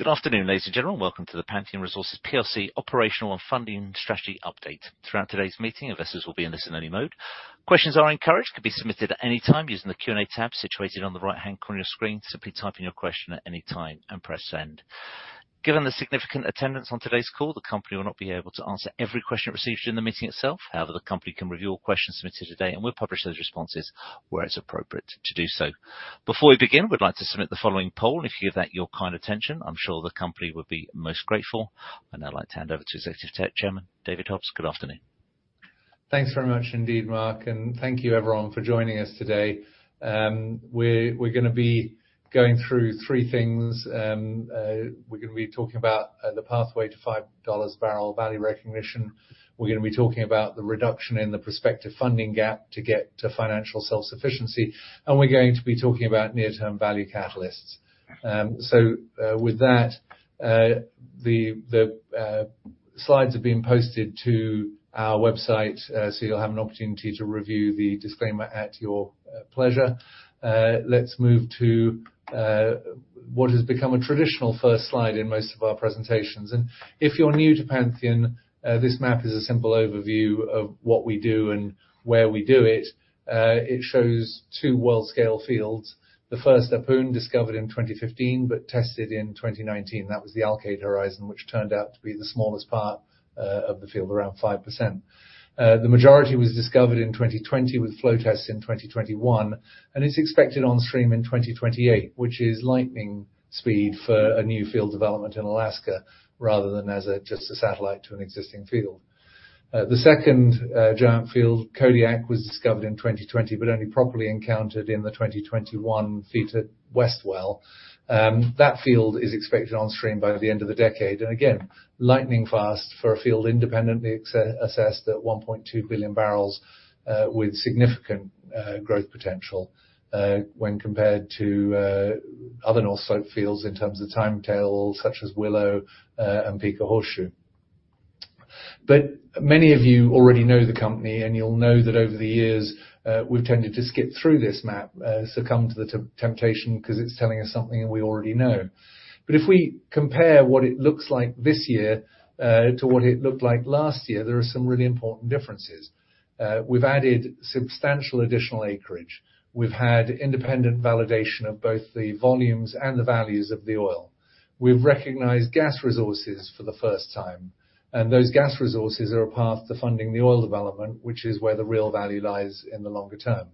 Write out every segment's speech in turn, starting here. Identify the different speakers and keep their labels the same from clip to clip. Speaker 1: Good afternoon, ladies and gentlemen. Welcome to the Pantheon Resources plc operational and funding strategy update. Throughout today's meeting, investors will be in listen only mode. Questions are encouraged, could be submitted at any time using the Q&A tab situated on the right-hand corner of your screen. Simply type in your question at any time and press Send. Given the significant attendance on today's call, the company will not be able to answer every question it receives during the meeting itself. However, the company can review all questions submitted today, and we'll publish those responses where it's appropriate to do so. Before we begin, we'd like to submit the following poll, and if you give that your kind attention, I'm sure the company would be most grateful. I'd now like to hand over to Executive Chairman David Hobbs. Good afternoon.
Speaker 2: Thanks very much indeed, Mark, and thank you everyone for joining us today. We're gonna be going through three things. We're gonna be talking about the pathway to $5 barrel value recognition. We're gonna be talking about the reduction in the prospective funding gap to get to financial self-sufficiency, and we're going to be talking about near-term value catalysts. With that, the slides have been posted to our website, so you'll have an opportunity to review the disclaimer at your pleasure. Let's move to what has become a traditional first slide in most of our presentations. If you're new to Pantheon, this map is a simple overview of what we do and where we do it. It shows two world scale fields. The first Ahpun discovered in 2015 but tested in 2019. That was the Alkaid Horizon, which turned out to be the smallest part of the field, around 5%. The majority was discovered in 2020 with flow tests in 2021, and it's expected on stream in 2028, which is lightning speed for a new field development in Alaska rather than just a satellite to an existing field. The second giant field, Kodiak, was discovered in 2020, but only properly encountered in the 2021 field at West Well. That field is expected on stream by the end of the decade. Again, lightning fast for a field independently assessed at 1.2 billion barrels, with significant growth potential when compared to other North Slope fields in terms of timetables such as Willow and Pikka-Horseshoe. Many of you already know the company, and you'll know that over the years, we've tended to skip through this map, succumb to the temptation 'cause it's telling us something that we already know. If we compare what it looks like this year, to what it looked like last year, there are some really important differences. We've added substantial additional acreage. We've had independent validation of both the volumes and the values of the oil. We've recognized gas resources for the first time, and those gas resources are a path to funding the oil development, which is where the real value lies in the longer term.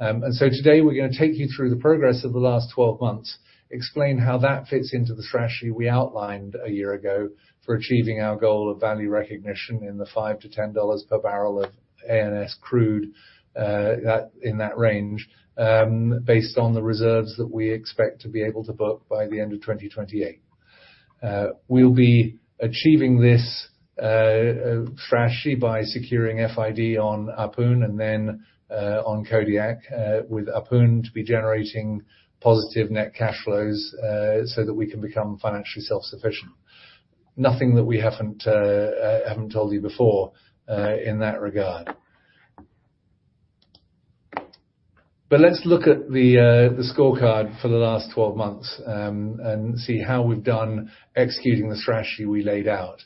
Speaker 2: Today we're gonna take you through the progress of the last 12 months, explain how that fits into the strategy we outlined a year ago for achieving our goal of value recognition in the $5-$10 per barrel of ANS crude, that in that range, based on the reserves that we expect to be able to book by the end of 2028. We'll be achieving this strategy by securing FID on Ahpun and then on Kodiak, with Ahpun to be generating positive net cash flows, so that we can become financially self-sufficient. Nothing that we haven't told you before in that regard. Let's look at the scorecard for the last 12 months and see how we've done executing the strategy we laid out.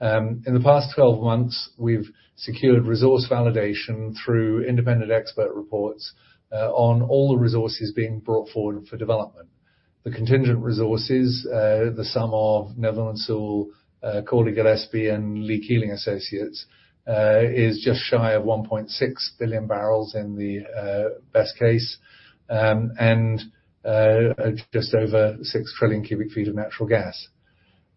Speaker 2: In the past 12 months, we've secured resource validation through independent expert reports on all the resources being brought forward for development. The contingent resources, the sum of Netherland, Sewell & Associates, Cawley, Gillespie & Associates and Lee Keeling and Associates, is just shy of 1.6 billion barrels in the best case, and just over 6 trillion cu ft of natural gas.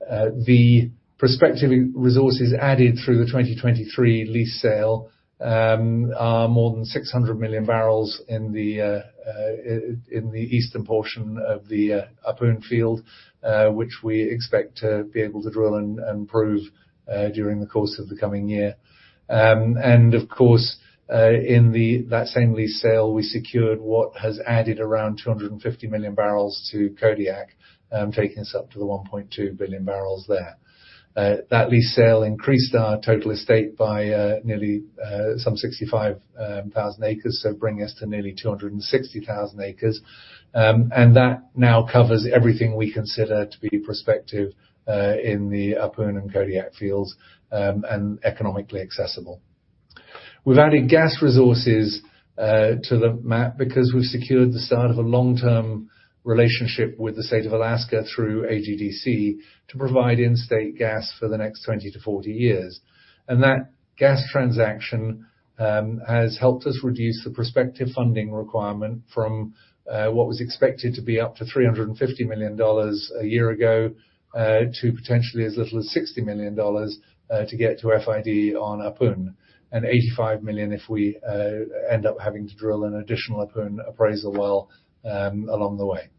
Speaker 2: The prospective resources added through the 2023 lease sale are more than 600 million barrels in the eastern portion of the Ahpun field, which we expect to be able to drill and prove during the course of the coming year. Of course, in that same lease sale, we secured what has added around 250 million barrels to Kodiak, taking us up to the 1.2 billion barrels there. That lease sale increased our total estate by nearly some 65,000 acres, so bringing us to nearly 260,000 acres. That now covers everything we consider to be prospective in the Ahpun and Kodiak fields, and economically accessible. We've added gas resources to the map because we've secured the start of a long-term relationship with the state of Alaska through AGDC to provide in-state gas for the next 20-40 years. That gas transaction has helped us reduce the prospective funding requirement from what was expected to be up to $350 million a year ago to potentially as little as $60 million to get to FID on Ahpun, and $85 million if we end up having to drill an additional Ahpun appraisal well along the way.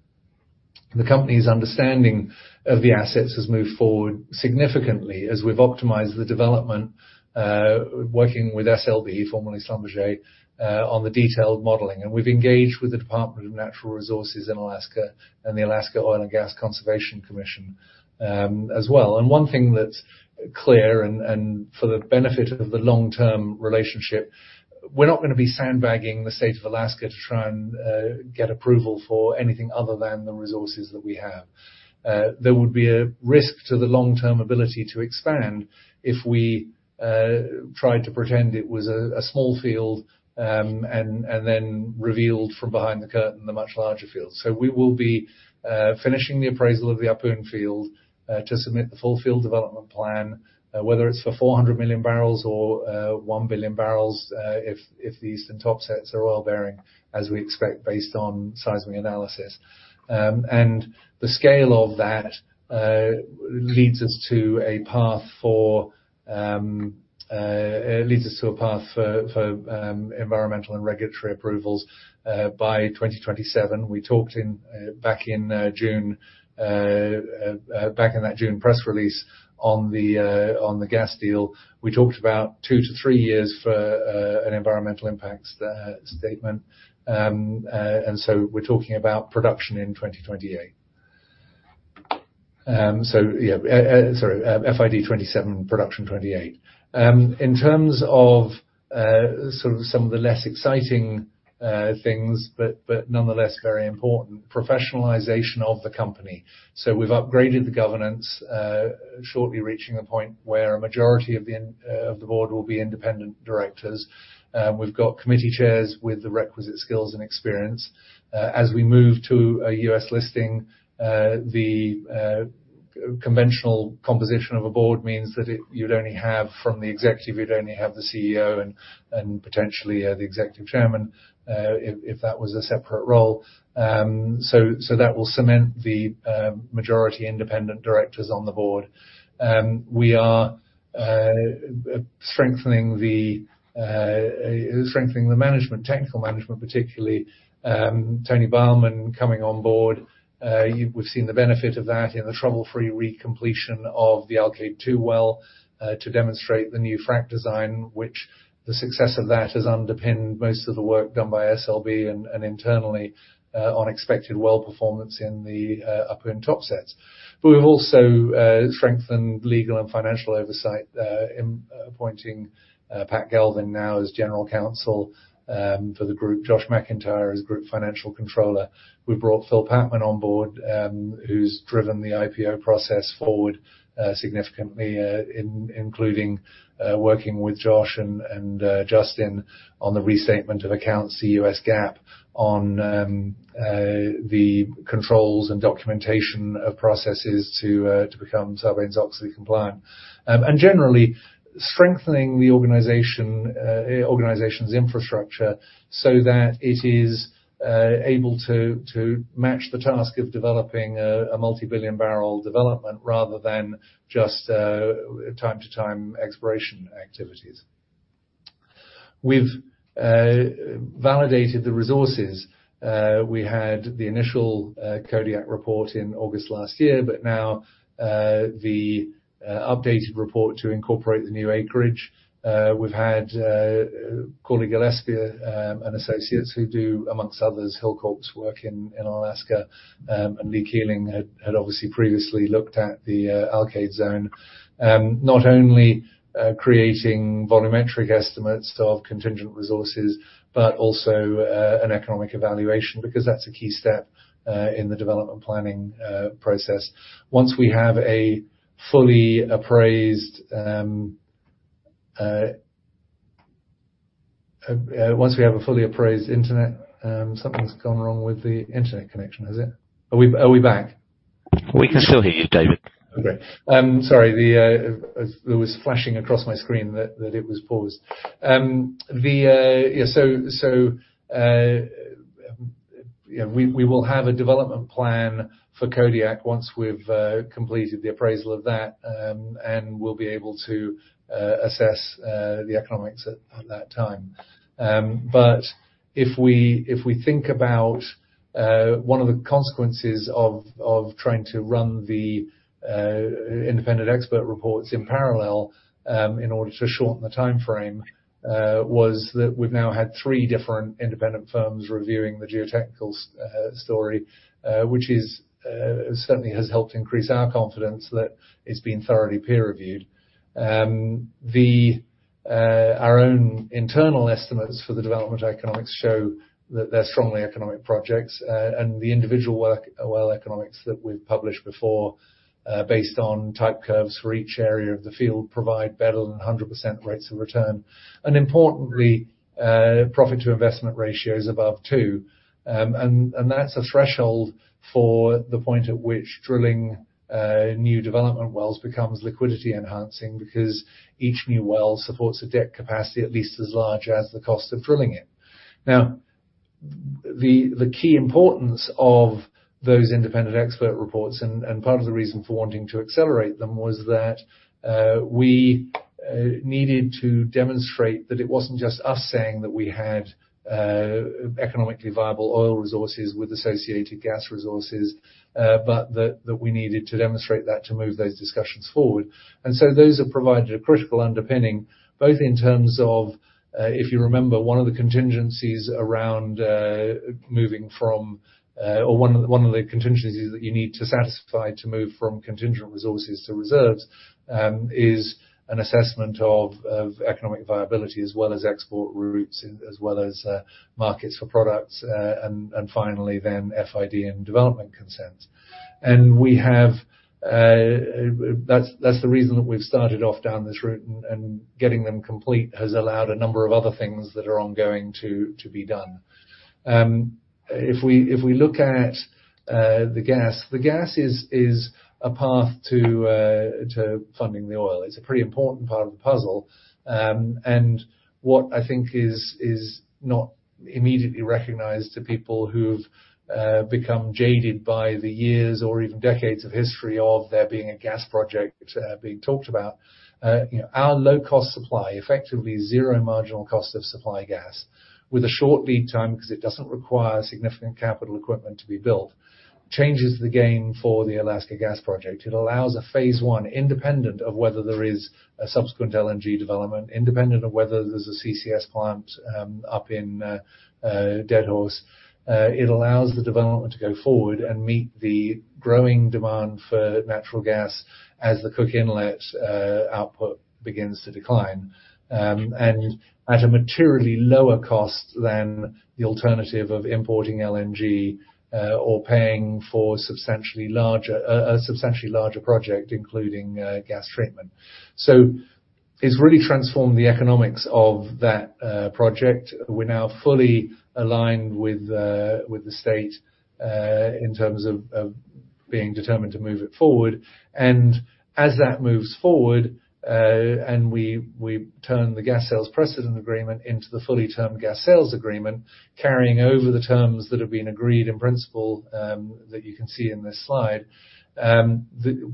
Speaker 2: The company's understanding of the assets has moved forward significantly as we've optimized the development working with SLB, formerly Schlumberger, on the detailed modeling. We've engaged with the Alaska Department of Natural Resources and the Alaska Oil and Gas Conservation Commission as well. One thing that clear and for the benefit of the long-term relationship, we're not gonna be sandbagging the state of Alaska to try and get approval for anything other than the resources that we have. There would be a risk to the long-term ability to expand if we tried to pretend it was a small field and then revealed from behind the curtain the much larger field. We will be finishing the appraisal of the Ahpun field to submit the full field development plan whether it's for 400 million barrels or 1 billion barrels if the eastern Topsets are oil-bearing, as we expect based on seismic analysis. The scale of that leads us to a path for. It leads us to a path for environmental and regulatory approvals by 2027. We talked back in June, back in that June press release on the gas deal. We talked about two to three years for an environmental impact statement. We're talking about production in 2028. Yeah. Sorry, FID 2027, production 2028. In terms of sort of some of the less exciting things, but nonetheless, very important professionalization of the company. We've upgraded the governance, shortly reaching a point where a majority of the board will be independent directors. We've got committee chairs with the requisite skills and experience. As we move to a U.S. listing, the conventional composition of a board means that you'd only have from the executive, you'd only have the CEO and potentially the executive chairman, if that was a separate role. So that will cement the majority independent directors on the board. We are strengthening the management, technical management, particularly Tony Beilman coming on board. We've seen the benefit of that in the trouble-free recompletion of the Alkaid-2 well to demonstrate the new frack design, which the success of that has underpinned most of the work done by SLB and internally on expected well performance in the upper end Topsets. We've also strengthened legal and financial oversight in appointing Pat Galvin now as General Counsel for the group, Josh McIntyre as Group Financial Controller. We've brought Phil Patman on board, who's driven the IPO process forward significantly, including working with Josh and Justin on the restatement of accounts, the U.S. GAAP, on the controls and documentation of processes to become Sarbanes-Oxley compliant. Generally strengthening the organization's infrastructure so that it is able to match the task of developing a multi-billion barrel development rather than just from time to time exploration activities. We've validated the resources. We had the initial Kodiak report in August last year, but now the updated report to incorporate the new acreage, we've had Cawley, Gillespie & Associates who do, amongst others, Hilcorp's work in Alaska, and Lee Keeling and Associates had obviously previously looked at the Alkaid zone. Not only creating volumetric estimates of contingent resources, but also an economic evaluation, because that's a key step in the development planning process. Once we have a fully appraised interest. Something's gone wrong with the internet connection. Has it? Are we back?
Speaker 1: We can still hear you, David.
Speaker 2: There was flashing across my screen that it was paused. We will have a development plan for Kodiak once we've completed the appraisal of that, and we'll be able to assess the economics at that time. If we think about one of the consequences of trying to run the independent expert reports in parallel, in order to shorten the timeframe, was that we've now had three different independent firms reviewing the geotechnical story, which certainly has helped increase our confidence that it's been thoroughly peer-reviewed. Our own internal estimates for the development economics show that they're strongly economic projects. The individual well economics that we've published before, based on type curves for each area of the field, provide better than 100% rates of return. Importantly, profit to investment ratio is above two. That's a threshold for the point at which drilling new development wells becomes liquidity enhancing because each new well supports a debt capacity at least as large as the cost of drilling it. The key importance of those independent expert reports, and part of the reason for wanting to accelerate them was that we needed to demonstrate that it wasn't just us saying that we had economically viable oil resources with associated gas resources, but that we needed to demonstrate that to move those discussions forward. Those have provided a critical underpinning, both in terms of, if you remember, one of the contingencies that you need to satisfy to move from contingent resources to reserves, is an assessment of economic viability as well as export routes as well as markets for products, and finally then FID and development consents. That's the reason that we've started off down this route, and getting them complete has allowed a number of other things that are ongoing to be done. If we look at the gas, the gas is a path to funding the oil. It's a pretty important part of the puzzle. What I think is not immediately recognized to people who've become jaded by the years or even decades of history of there being a gas project being talked about. Our low-cost supply, effectively zero marginal cost of supply gas, with a short lead time 'cause it doesn't require significant capital equipment to be built, changes the game for the Alaska gas project. It allows a phase one, independent of whether there is a subsequent LNG development, independent of whether there's a CCS plant, up in Deadhorse. It allows the development to go forward and meet the growing demand for natural gas as the Cook Inlet output begins to decline. At a materially lower cost than the alternative of importing LNG, or paying for a substantially larger project, including gas treatment. It's really transformed the economics of that project. We're now fully aligned with the state in terms of being determined to move it forward. As that moves forward, and we turn the gas sales precedent agreement into the fully termed gas sales agreement, carrying over the terms that have been agreed in principle, that you can see in this slide,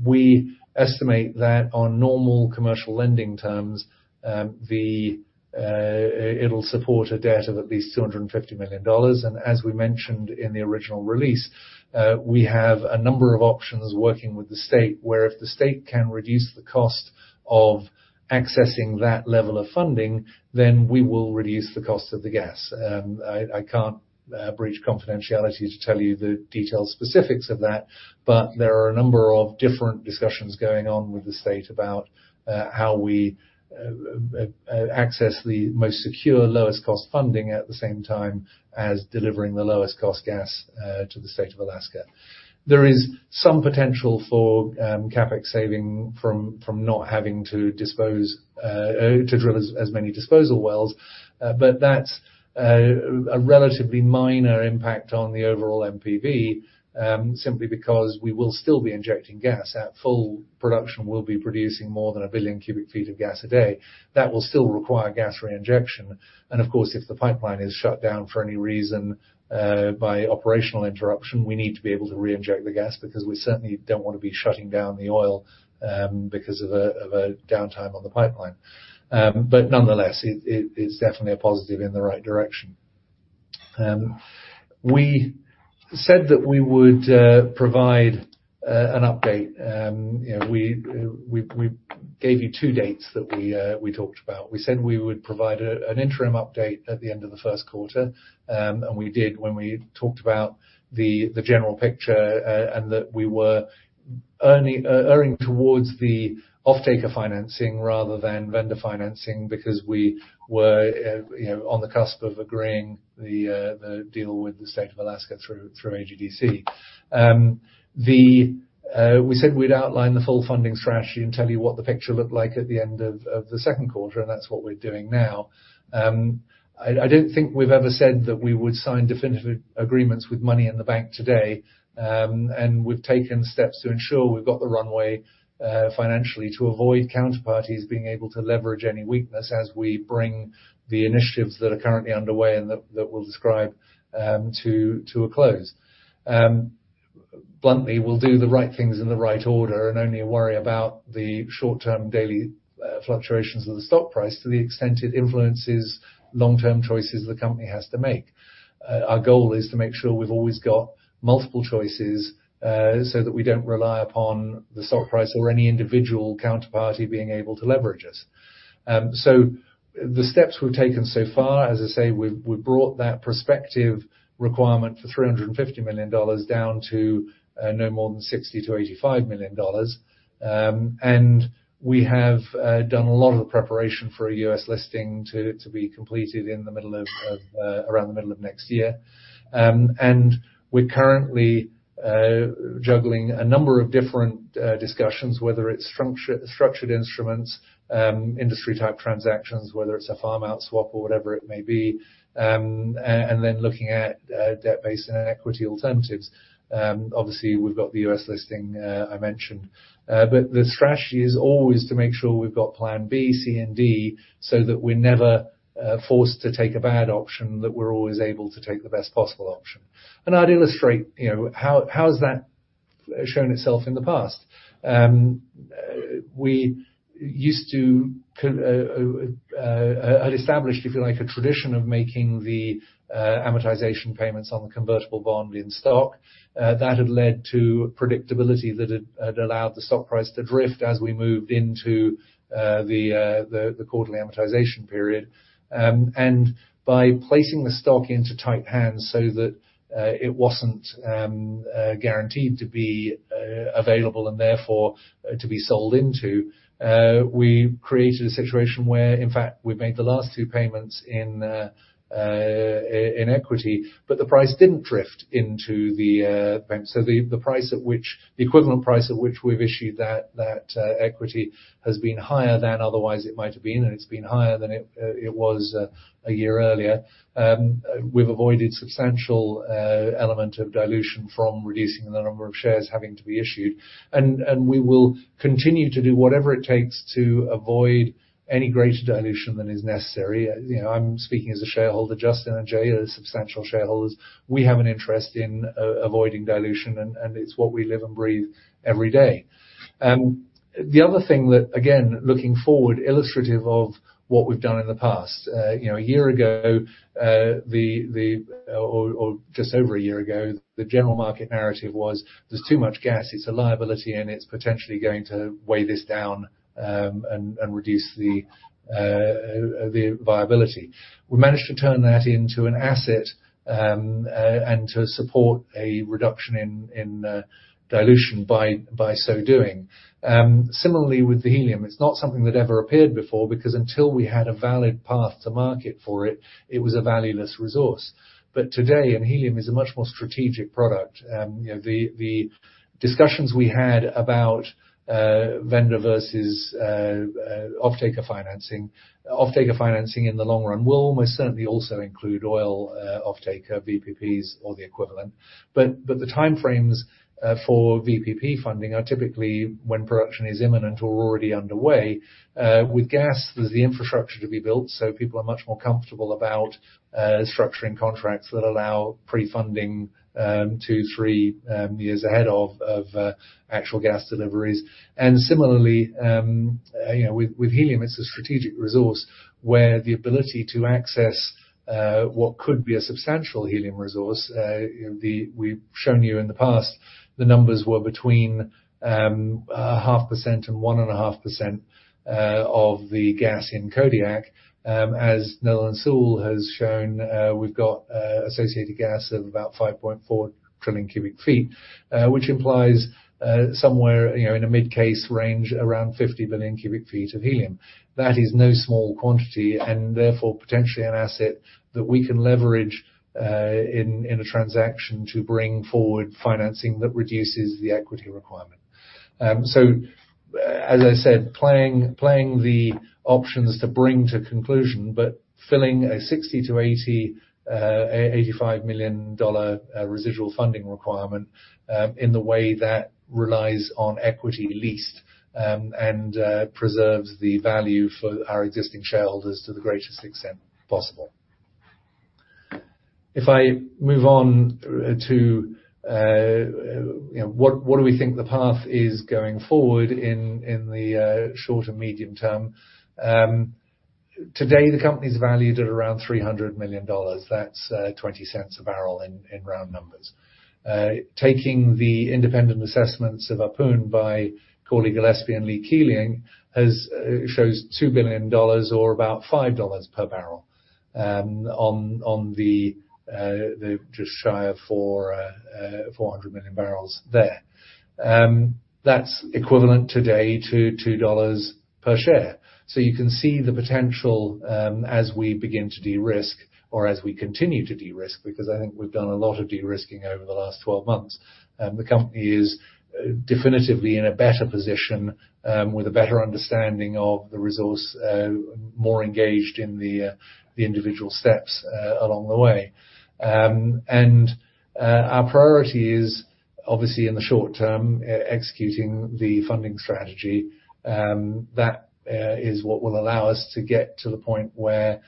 Speaker 2: we estimate that on normal commercial lending terms, it'll support a debt of at least $250 million. As we mentioned in the original release, we have a number of options working with the state, where if the state can reduce the cost of accessing that level of funding, then we will reduce the cost of the gas. I can't breach confidentiality to tell you the detailed specifics of that, but there are a number of different discussions going on with the state about how we access the most secure, lowest cost funding at the same time as delivering the lowest cost gas to the state of Alaska. There is some potential for CapEx saving from not having to drill as many disposal wells. That's a relatively minor impact on the overall NPV simply because we will still be injecting gas. At full production, we'll be producing more than 1 billion cu ft of gas a day. That will still require gas reinjection. Of course, if the pipeline is shut down for any reason by operational interruption, we need to be able to reinject the gas because we certainly don't wanna be shutting down the oil because of a downtime on the pipeline. Nonetheless, it's definitely a positive in the right direction. We said that we would provide an update. You know, we gave you two dates that we talked about. We said we would provide an interim update at the end of the first quarter, and we did when we talked about the general picture, and that we were leaning towards the offtake or financing rather than vendor financing because we were, you know, on the cusp of agreeing the deal with the state of Alaska through AGDC. We said we'd outline the full funding strategy and tell you what the picture looked like at the end of the second quarter, and that's what we're doing now. I don't think we've ever said that we would sign definitive agreements with money in the bank today, and we've taken steps to ensure we've got the runway, financially to avoid counterparties being able to leverage any weakness as we bring the initiatives that are currently underway and that we'll describe, to a close. Bluntly, we'll do the right things in the right order and only worry about the short-term daily, fluctuations of the stock price to the extent it influences long-term choices the company has to make. Our goal is to make sure we've always got multiple choices, so that we don't rely upon the stock price or any individual counterparty being able to leverage us. The steps we've taken so far, as I say, we've brought that prospective requirement for $350 million down to no more than $60 million-$85 million. We have done a lot of the preparation for a U.S. listing to be completed in the middle of around the middle of next year. We're currently juggling a number of different discussions, whether it's structured instruments, industry type transactions, whether it's a farm out swap or whatever it may be, and then looking at debt-based and equity alternatives. Obviously we've got the U.S. listing I mentioned. The strategy is always to make sure we've got plan B, C, and D, so that we're never forced to take a bad option, that we're always able to take the best possible option. I'd illustrate, you know, how that has shown itself in the past. We had established, if you like, a tradition of making the amortization payments on the convertible bond in stock. That had led to predictability that had allowed the stock price to drift as we moved into the quarterly amortization period. By placing the stock into tight hands so that it wasn't guaranteed to be available and therefore to be sold into, we created a situation where, in fact, we've made the last two payments in equity, but the price didn't drift into the equivalent price at which we've issued that equity has been higher than otherwise it might have been, and it's been higher than it was a year earlier. We've avoided substantial element of dilution from reducing the number of shares having to be issued. We will continue to do whatever it takes to avoid any greater dilution than is necessary. You know, I'm speaking as a shareholder, Justin and Jay are substantial shareholders. We have an interest in avoiding dilution, and it's what we live and breathe every day. The other thing, again looking forward, is illustrative of what we've done in the past. You know, just over a year ago, the general market narrative was there's too much gas, it's a liability, and it's potentially going to weigh this down, and reduce the viability. We managed to turn that into an asset, and to support a reduction in dilution by so doing. Similarly with the helium, it's not something that ever appeared before because until we had a valid path to market for it was a valueless resource. Today, helium is a much more strategic product. You know, the discussions we had about vendor versus offtaker financing. Offtaker financing in the long run will most certainly also include oil offtaker VPPs or the equivalent. The time frames for VPP funding are typically when production is imminent or already underway. With gas, there's the infrastructure to be built, so people are much more comfortable about structuring contracts that allow pre-funding two, three years ahead of actual gas deliveries. Similarly, you know, with helium, it's a strategic resource where the ability to access what could be a substantial helium resource. You know, we've shown you in the past, the numbers were between 0.5% and 1.5% of the gas in Kodiak. As Netherland Sewell has shown, we've got associated gas of about 5.4 trillion cu ft, which implies somewhere, you know, in a mid-case range, around 50 billion cu ft of helium. That is no small quantity, and therefore potentially an asset that we can leverage in a transaction to bring forward financing that reduces the equity requirement. As I said, playing the options to bring to conclusion, but filling a $60 million-$85 million residual funding requirement in the way that relies on equity least and preserves the value for our existing shareholders to the greatest extent possible. If I move on to you know, what do we think the path is going forward in the short and medium term? Today the company is valued at around $300 million. That's twenty cents a barrel in round numbers. Taking the independent assessments of Ahpun by Cawley Gillespie and Lee Keeling shows $2 billion or about $5 per barrel on the just shy of 400 million barrels there. That's equivalent today to $2 per share. You can see the potential as we begin to de-risk or as we continue to de-risk, because I think we've done a lot of de-risking over the last 12 months. The company is definitively in a better position with a better understanding of the resource more engaged in the individual steps along the way. Our priority is obviously in the short term executing the funding strategy. That is what will allow us to get to the point where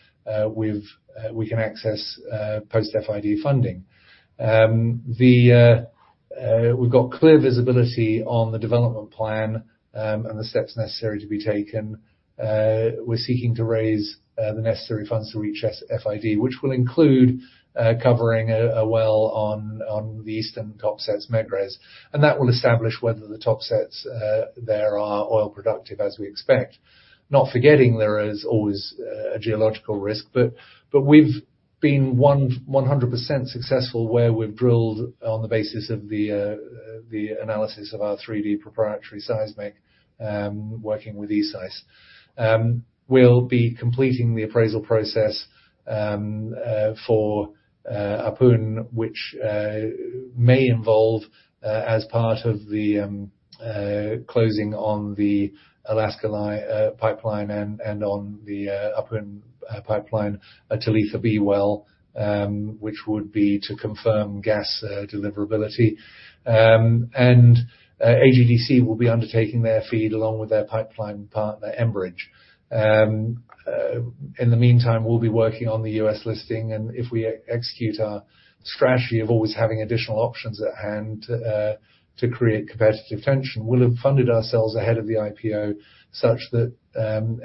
Speaker 2: we can access post FID funding. We've got clear visibility on the development plan and the steps necessary to be taken. We're seeking to raise the necessary funds to reach FID, which will include covering a well on the eastern Topsets Megrez. That will establish whether the top sets there are oil productive as we expect. Not forgetting there is always a geological risk, but we've been 100% successful where we've drilled on the basis of the analysis of our 3D proprietary seismic, working with eSeis. We'll be completing the appraisal process for Ahpun, which may involve, as part of the closing on the Alaska pipeline and on the Ahpun pipeline, a Talitha-B well, which would be to confirm gas deliverability. AGDC will be undertaking their FEED along with their pipeline partner, Enbridge. In the meantime, we'll be working on the U.S. listing, and if we execute our strategy of always having additional options at hand to create competitive tension, we'll have funded ourselves ahead of the IPO such that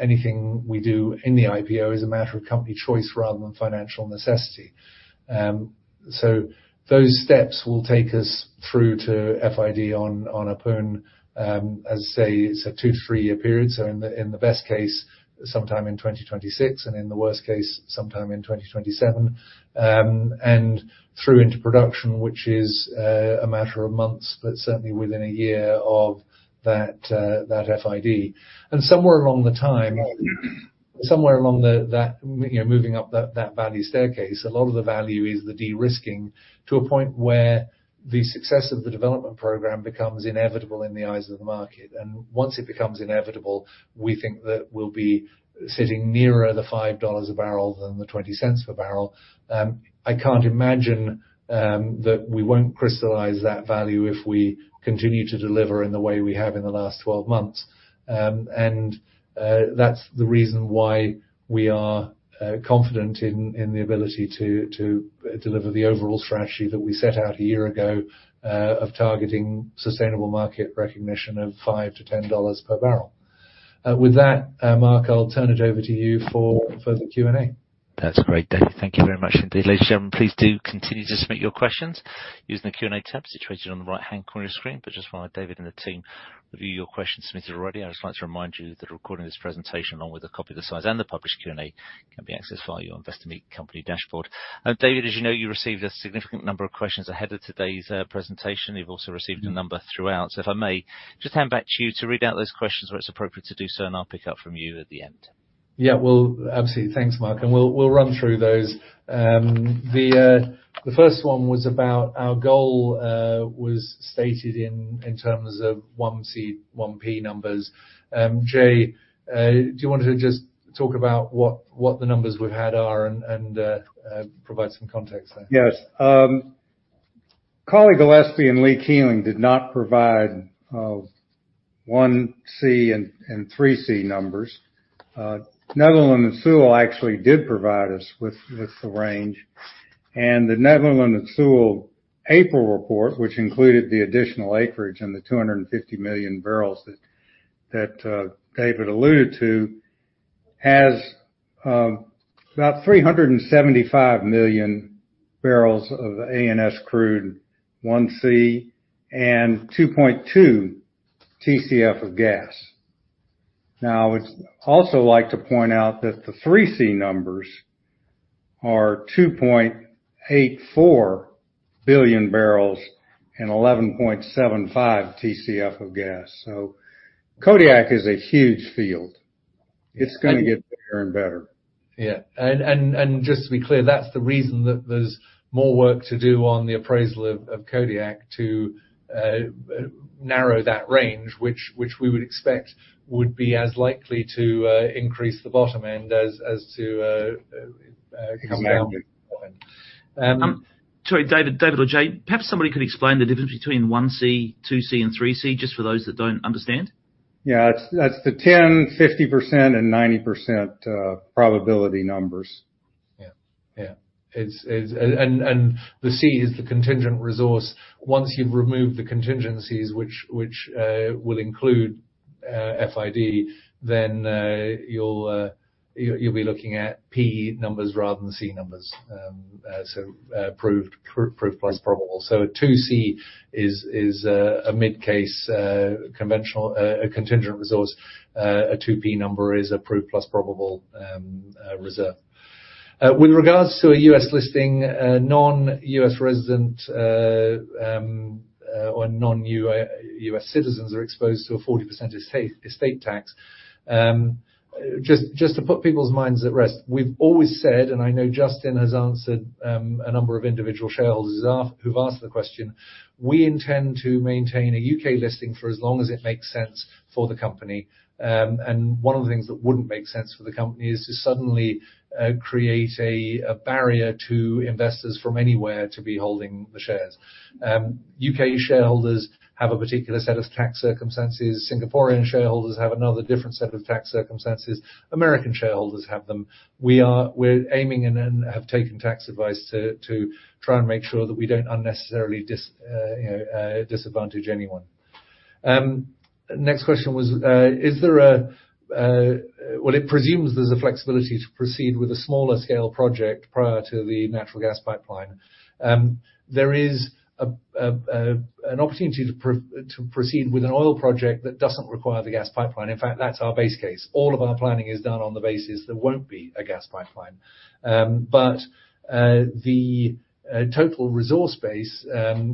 Speaker 2: anything we do in the IPO is a matter of company choice rather than financial necessity. Those steps will take us through to FID on Ahpun, as I say, it's a two- to three-year period. In the best case, sometime in 2026, and in the worst case, sometime in 2027, and through into production, which is a matter of months, but certainly within a year of that FID. Somewhere along the timeline, you know, moving up that value staircase, a lot of the value is the de-risking to a point where the success of the development program becomes inevitable in the eyes of the market. Once it becomes inevitable, we think that we'll be sitting nearer the $5 a barrel than the $0.20 per barrel. I can't imagine that we won't crystallize that value if we continue to deliver in the way we have in the last 12 months. That's the reason why we are confident in the ability to deliver the overall strategy that we set out a year ago of targeting sustainable market recognition of $5-$10 per barrel. With that, Mark, I'll turn it over to you for further Q&A.
Speaker 1: That's great, David. Thank you very much indeed. Ladies and gentlemen, please do continue to submit your questions using the Q&A tab situated on the right-hand corner of your screen. Just while David and the team review your questions submitted already, I just like to remind you that a recording of this presentation along with a copy of the slides and the published Q&A can be accessed via your Investor Meet Company dashboard. David, as you know, you received a significant number of questions ahead of today's presentation. You've also received a number throughout. If I may, just hand back to you to read out those questions where it's appropriate to do so, and I'll pick up from you at the end.
Speaker 2: Yeah. Well, absolutely. Thanks, Mark, and we'll run through those. The first one was about our goal was stated in terms of 1C, 1P numbers. Jay, do you want to just talk about what the numbers we've had are and provide some context there?
Speaker 3: Yes. Cawley Gillespie and Lee Keeling did not provide 1C and 3C numbers. Netherland and Sewell actually did provide us with the range. The Netherland and Sewell April report, which included the additional acreage and the 250 million barrels that David alluded to, has about 375 million barrels of ANS crude, 1C and 2.2 TCF of gas. Now, I would also like to point out that the 3C numbers are 2.84 billion barrels and 11.75 TCF of gas. Kodiak is a huge field. It's gonna get bigger and better.
Speaker 2: Yeah. Just to be clear, that's the reason that there's more work to do on the appraisal of Kodiak to narrow that range, which we would expect would be as likely to increase the bottom end as to come down.
Speaker 3: Exactly.
Speaker 2: Um-
Speaker 1: Sorry, David or Jay, perhaps somebody could explain the difference between 1C, 2C, and 3C, just for those that don't understand.
Speaker 3: Yeah. That's the 10%, 50%, and 90% probability numbers.
Speaker 2: It's the C is the contingent resource. Once you've removed the contingencies, which will include FID, then you'll be looking at P numbers rather than C numbers. So proved plus probable. So a 2C is a mid-case conventional contingent resource. A 2P number is proved plus probable reserve. With regards to a U.S. listing, non-U.S. resident or non-U.S. citizens are exposed to a 40% estate tax. Just to put people's minds at rest, we've always said, and I know Justin has answered a number of individual shareholders who've asked the question, we intend to maintain a U.K. listing for as long as it makes sense for the company. One of the things that wouldn't make sense for the company is to suddenly create a barrier to investors from anywhere to be holding the shares. U.K. shareholders have a particular set of tax circumstances. Singaporean shareholders have another different set of tax circumstances. American shareholders have them. We're aiming and have taken tax advice to try and make sure that we don't unnecessarily disadvantage anyone. Next question was, well, it presumes there's a flexibility to proceed with a smaller scale project prior to the natural gas pipeline. There is an opportunity to proceed with an oil project that doesn't require the gas pipeline. In fact, that's our base case. All of our planning is done on the basis there won't be a gas pipeline. The total resource base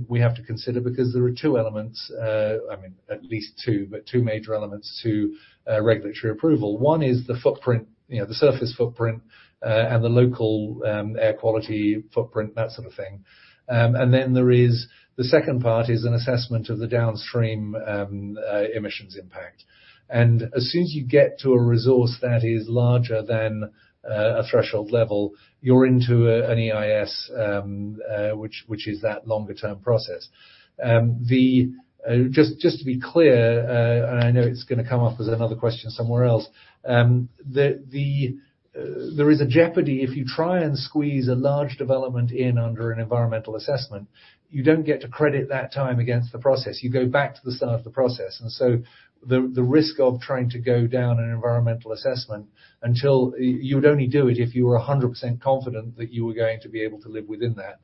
Speaker 2: we have to consider because there are two elements, I mean, at least two, but two major elements to a regulatory approval. One is the footprint, you know, the surface footprint, and the local air quality footprint, that sort of thing. There is the second part is an assessment of the downstream emissions impact. As soon as you get to a resource that is larger than a threshold level, you're into an EIS, which is that longer-term process. Just to be clear, and I know it's gonna come up as another question somewhere else, there is a jeopardy if you try and squeeze a large development in under an environmental assessment. You don't get to credit that time against the process. You go back to the start of the process. The risk of trying to go down an environmental assessment. You would only do it if you were 100% confident that you were going to be able to live within that.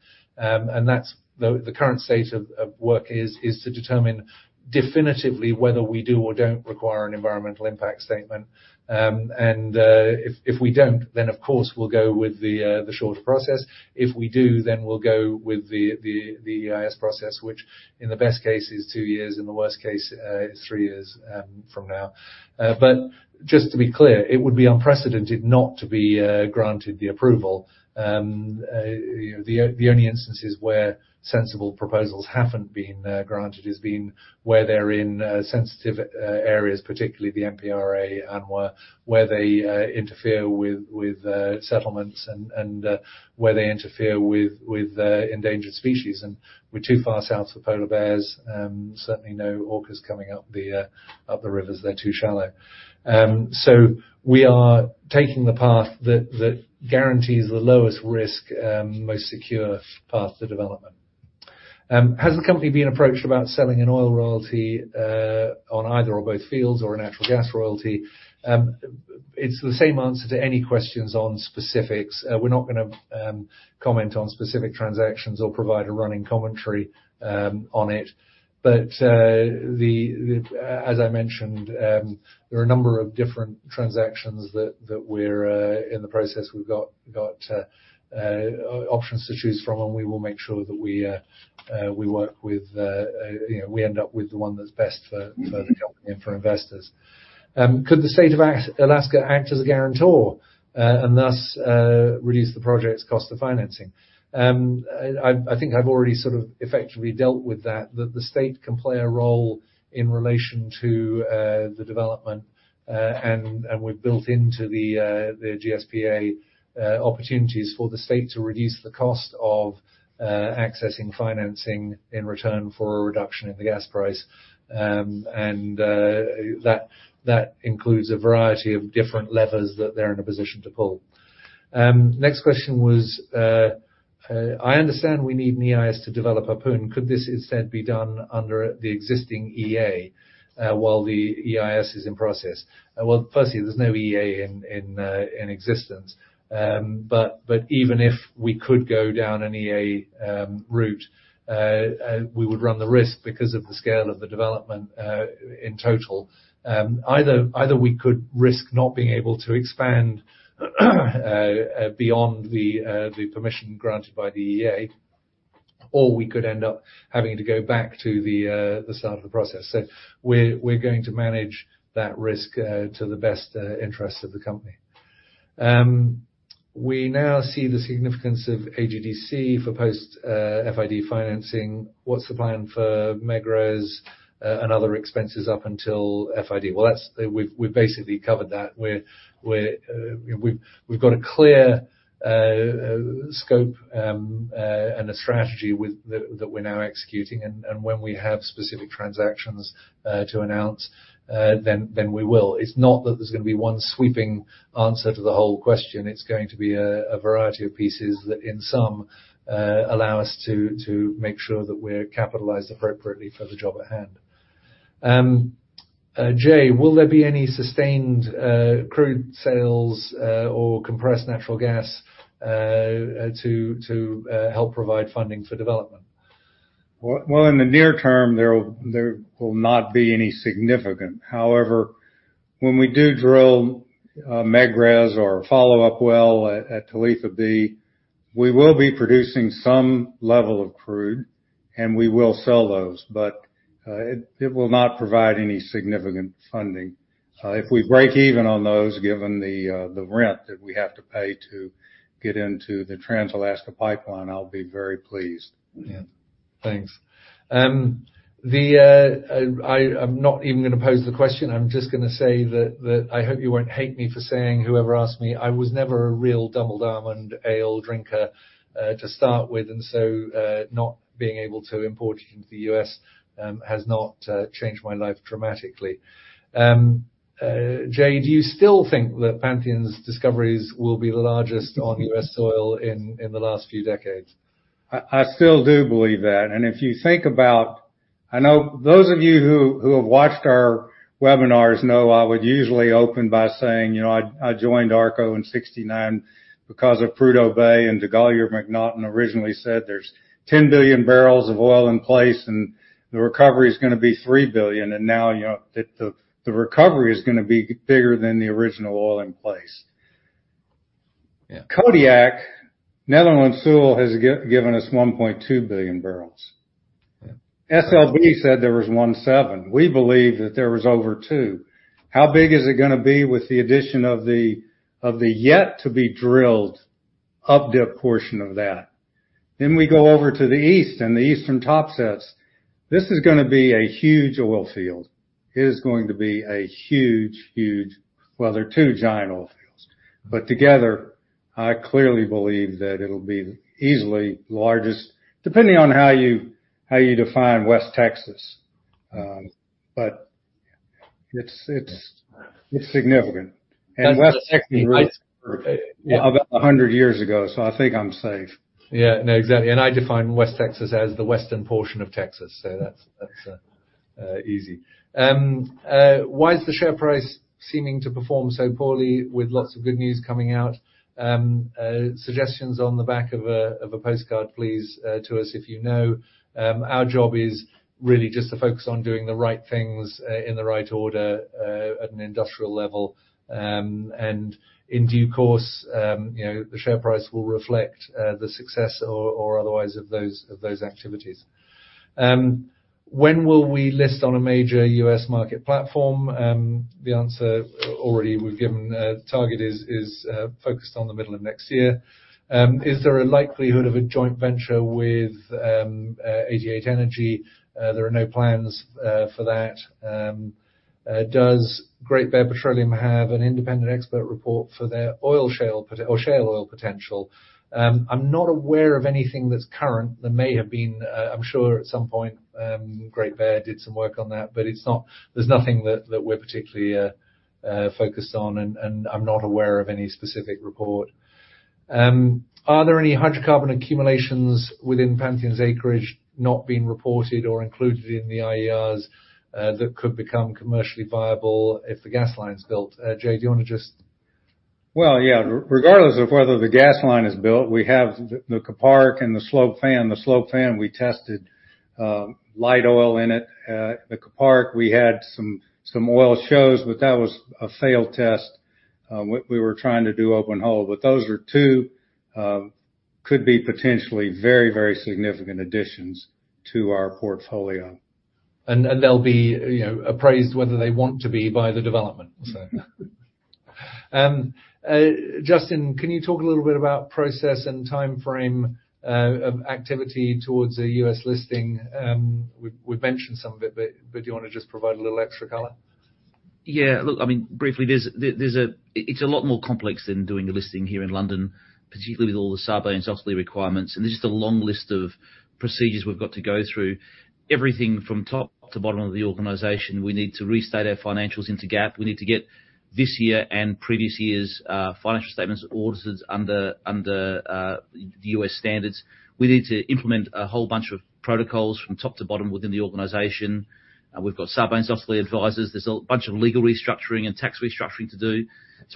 Speaker 2: That's the current state of work is to determine definitively whether we do or don't require an environmental impact statement. If we don't, then, of course, we'll go with the shorter process. If we do, we'll go with the EIS process, which in the best case is two years, in the worst case, three years, from now. Just to be clear, it would be unprecedented not to be granted the approval. You know, the only instances where sensible proposals haven't been granted has been where they're in sensitive areas, particularly the NPRA, and where they interfere with settlements and where they interfere with endangered species. We're too far south for polar bears. Certainly no orcas coming up the rivers. They're too shallow. We are taking the path that guarantees the lowest risk, most secure path to development. Has the company been approached about selling an oil royalty on either or both fields or a natural gas royalty? It's the same answer to any questions on specifics. We're not gonna comment on specific transactions or provide a running commentary on it. As I mentioned, there are a number of different transactions that we're in the process. We've got options to choose from, and we will make sure that we work with you know we end up with the one that's best for the company and for investors. Could the State of Alaska act as a guarantor and thus reduce the project's cost of financing? I think I've already sort of effectively dealt with that. The state can play a role in relation to the development, and we've built into the GSPA opportunities for the state to reduce the cost of accessing financing in return for a reduction in the gas price. That includes a variety of different levers that they're in a position to pull. Next question was, I understand we need an EIS to develop our plot. Could this instead be done under the existing EA, while the EIS is in process? Well, firstly, there's no EA in existence. Even if we could go down an EA route, we would run the risk because of the scale of the development in total. Either we could risk not being able to expand beyond the permission granted by the EA, or we could end up having to go back to the start of the process. We're going to manage that risk to the best interest of the company. We now see the significance of AGDC for post FID financing. What's the plan for Megrez and other expenses up until FID? We've basically covered that. We've got a clear scope and a strategy with that that we're now executing. When we have specific transactions to announce, then we will. It's not that there's gonna be one sweeping answer to the whole question. It's going to be a variety of pieces that in sum allow us to make sure that we're capitalized appropriately for the job at hand. Jay, will there be any sustained crude sales or compressed natural gas to help provide funding for development?
Speaker 3: Well, in the near term, there will not be any significant. However, when we do drill Megrez or follow-up well at Talitha-B, we will be producing some level of crude, and we will sell those. It will not provide any significant funding. If we break even on those, given the rent that we have to pay to get into the Trans-Alaska Pipeline, I'll be very pleased.
Speaker 2: Yeah. Thanks. I'm not even gonna pose the question. I'm just gonna say that I hope you won't hate me for saying whoever asked me. I was never a real Double Diamond Ale drinker, to start with, and so not being able to import it into the U.S., has not changed my life dramatically. Jay, do you still think that Pantheon's discoveries will be the largest on U.S. soil in the last few decades?
Speaker 3: I still do believe that. If you think about, I know those of you who have watched our webinars know I would usually open by saying, you know, I joined ARCO in 1969 because of Prudhoe Bay, and DeGolyer and MacNaughton originally said there's 10 billion barrels of oil in place, and the recovery is gonna be 3 billion. Now you know, the recovery is gonna be bigger than the original oil in place.
Speaker 2: Yeah.
Speaker 3: Alkaid, Netherland Sewell has given us 1.2 billion barrels.
Speaker 2: Yeah.
Speaker 3: SLB said there was 1.7. We believe that there was over 2. How big is it gonna be with the addition of the yet to be drilled up-dip portion of that? We go over to the east and the eastern Topsets. This is gonna be a huge oil field. It is going to be a huge. Well, there are two giant oil fields, but together, I clearly believe that it'll be easily largest, depending on how you define West Texas. But it's significant.
Speaker 2: That's the 60.
Speaker 3: About 100 years ago, so I think I'm safe.
Speaker 2: Yeah. No, exactly. I define West Texas as the western portion of Texas, so that's easy. Why is the share price seeming to perform so poorly with lots of good news coming out? Suggestions on the back of a postcard, please, to us if you know. Our job is really just to focus on doing the right things in the right order at an industrial level. In due course, you know, the share price will reflect the success or otherwise of those activities. When will we list on a major U.S. market platform? The answer already we've given. The target is focused on the middle of next year. Is there a likelihood of a joint venture with 88 Energy? There are no plans for that. Does Great Bear Petroleum have an independent expert report for their oil shale or shale oil potential? I'm not aware of anything that's current. There may have been. I'm sure at some point Great Bear did some work on that, but it's not. There's nothing that we're particularly focused on, and I'm not aware of any specific report. Are there any hydrocarbon accumulations within Pantheon's acreage not being reported or included in the IERs that could become commercially viable if the gas line's built? Jay, do you wanna just...
Speaker 3: Well, yeah. Regardless of whether the gas line is built, we have the Kuparuk and the Slope Fan. The Slope Fan we tested light oil in it. The Kuparuk we had some oil shows, but that was a failed test. We were trying to do open hole. Those are two that could be potentially very significant additions to our portfolio.
Speaker 2: They'll be, you know, appraised whether they want to be by the development so. Justin, can you talk a little bit about process and timeframe of activity towards a U.S. listing? We've mentioned some of it, but do you wanna just provide a little extra color?
Speaker 4: Yeah. Look, I mean, briefly, it's a lot more complex than doing a listing here in London, particularly with all the Sarbanes-Oxley requirements. There's just a long list of procedures we've got to go through. Everything from top to bottom of the organization, we need to restate our financials into GAAP. We need to get this year and previous years' financial statements audited under the U.S. standards. We need to implement a whole bunch of protocols from top to bottom within the organization. We've got Sarbanes-Oxley advisors. There's a bunch of legal restructuring and tax restructuring to do.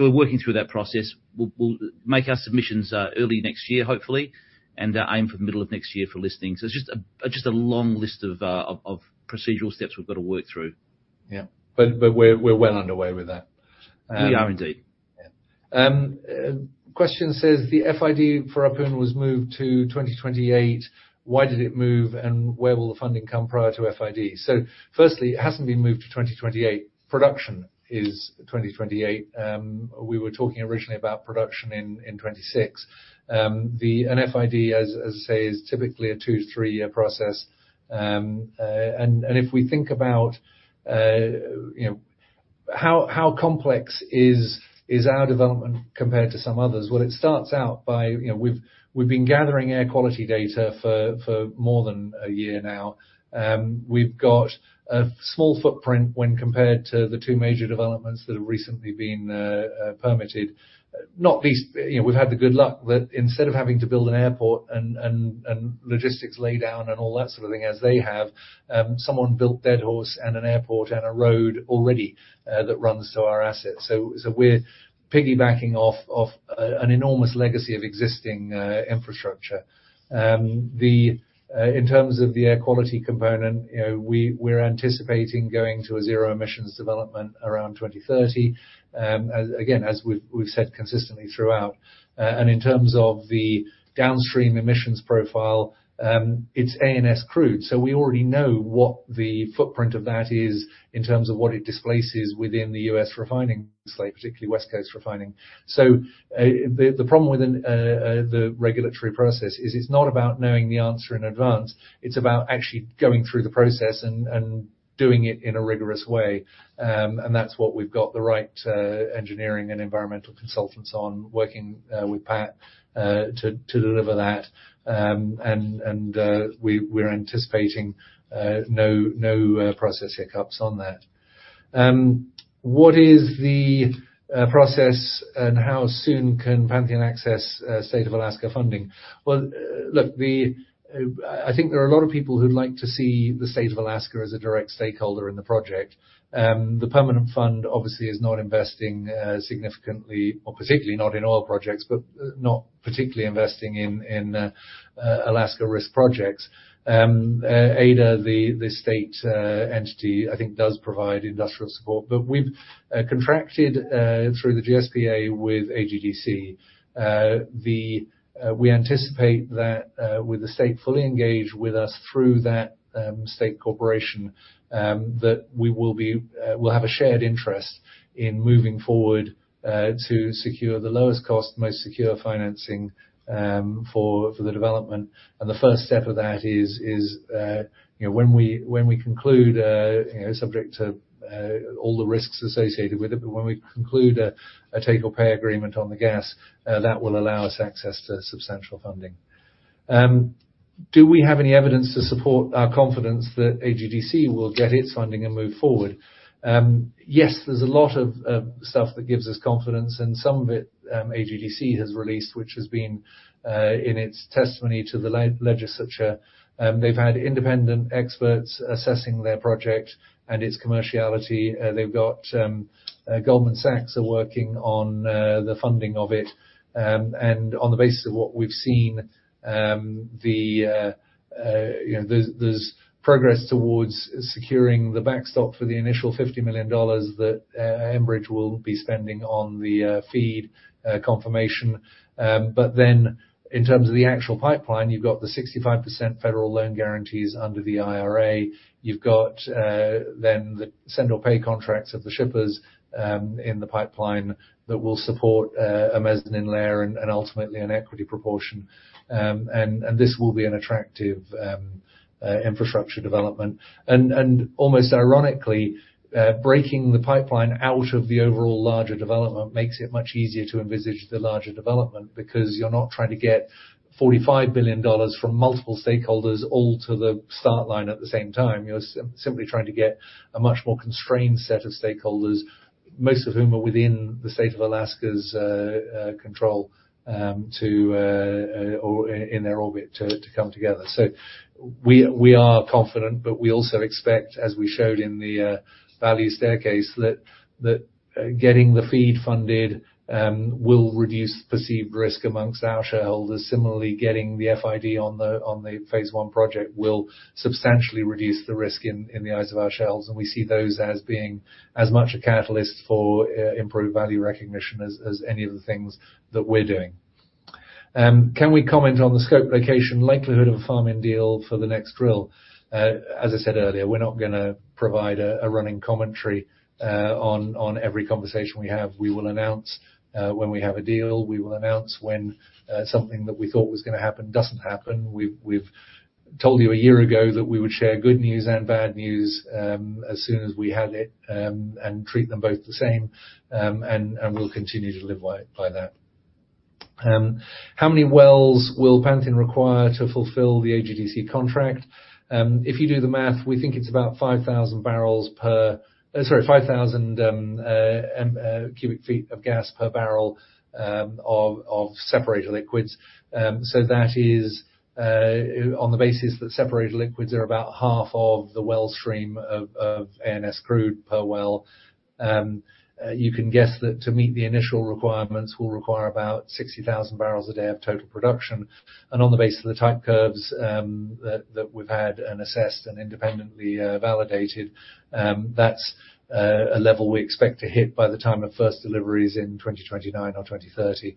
Speaker 4: We're working through that process. We'll make our submissions early next year, hopefully, and aim for the middle of next year for listing. It's just a long list of procedural steps we've got to work through.
Speaker 2: Yeah. We're well underway with that.
Speaker 4: We are indeed.
Speaker 2: Yeah. Question says the FID for Ahpun was moved to 2028. Why did it move, and where will the funding come prior to FID? Firstly, it hasn't been moved to 2028. Production is 2028. We were talking originally about production in 2026. An FID, as I say, is typically a two to three-year process. And if we think about you know how complex is our development compared to some others? Well, it starts out by you know we've been gathering air quality data for more than a year now. We've got a small footprint when compared to the two major developments that have recently been permitted. Not least, you know, we've had the good luck that instead of having to build an airport and logistics laydown and all that sort of thing as they have, someone built Deadhorse and an airport and a road already that runs to our assets. We're piggybacking off an enormous legacy of existing infrastructure. In terms of the air quality component, you know, we're anticipating going to a zero emissions development around 2030. Again, as we've said consistently throughout. In terms of the downstream emissions profile, it's ANS crude, so we already know what the footprint of that is in terms of what it displaces within the U.S. refining slate, particularly West Coast refining. The problem within the regulatory process is it's not about knowing the answer in advance. It's about actually going through the process and doing it in a rigorous way. That's what we've got the right engineering and environmental consultants on working with Pat to deliver that. We're anticipating no process hiccups on that. What is the process and how soon can Pantheon access State of Alaska funding? Well, look, I think there are a lot of people who'd like to see the State of Alaska as a direct stakeholder in the project. The Permanent Fund obviously is not investing significantly, or particularly not in oil projects, but not particularly investing in Alaska risk projects. AIDEA, the state entity, I think does provide industrial support. We've contracted through the GSPA with AGDC. We anticipate that with the state fully engaged with us through that state corporation, we'll have a shared interest in moving forward to secure the lowest cost, most secure financing for the development. The first step of that is you know, when we conclude, subject to all the risks associated with it, but when we conclude a take or pay agreement on the gas, that will allow us access to substantial funding. Do we have any evidence to support our confidence that AGDC will get its funding and move forward? Yes, there's a lot of stuff that gives us confidence, and some of it AGDC has released, which has been in its testimony to the legislature. They've had independent experts assessing their project and its commerciality. They've got Goldman Sachs are working on the funding of it. And on the basis of what we've seen, you know, there's progress towards securing the backstop for the initial $50 million that Enbridge will be spending on the FEED confirmation. In terms of the actual pipeline, you've got the 65% federal loan guarantees under the IRA. You've got then the take-or-pay contracts of the shippers in the pipeline that will support a mezzanine layer and ultimately an equity proportion. This will be an attractive infrastructure development. Almost ironically, breaking the pipeline out of the overall larger development makes it much easier to envisage the larger development because you're not trying to get $45 billion from multiple stakeholders all to the start line at the same time. You're simply trying to get a much more constrained set of stakeholders, most of whom are within the state of Alaska's control, or in their orbit to come together. We are confident, but we also expect, as we showed in the value staircase, that getting the FEED funded will reduce perceived risk amongst our shareholders. Similarly, getting the FID on the phase one project will substantially reduce the risk in the eyes of our shareholders, and we see those as being as much a catalyst for improved value recognition as any of the things that we're doing. Can we comment on the scope, location, likelihood of a farm-in deal for the next drill? As I said earlier, we're not gonna provide a running commentary on every conversation we have. We will announce when we have a deal. We will announce when something that we thought was gonna happen doesn't happen. We've told you a year ago that we would share good news and bad news as soon as we had it and treat them both the same. We'll continue to live by that. How many wells will Pantheon require to fulfill the AGDC contract? If you do the math, we think it's about 5,000 cu ft of gas per barrel of separated liquids. That is, on the basis that separated liquids are about half of the well stream of ANS crude per well. You can guess that to meet the initial requirements will require about 60,000 barrels a day of total production. On the basis of the type curves that we've had and assessed and independently validated, that's a level we expect to hit by the time of first deliveries in 2029 or 2030.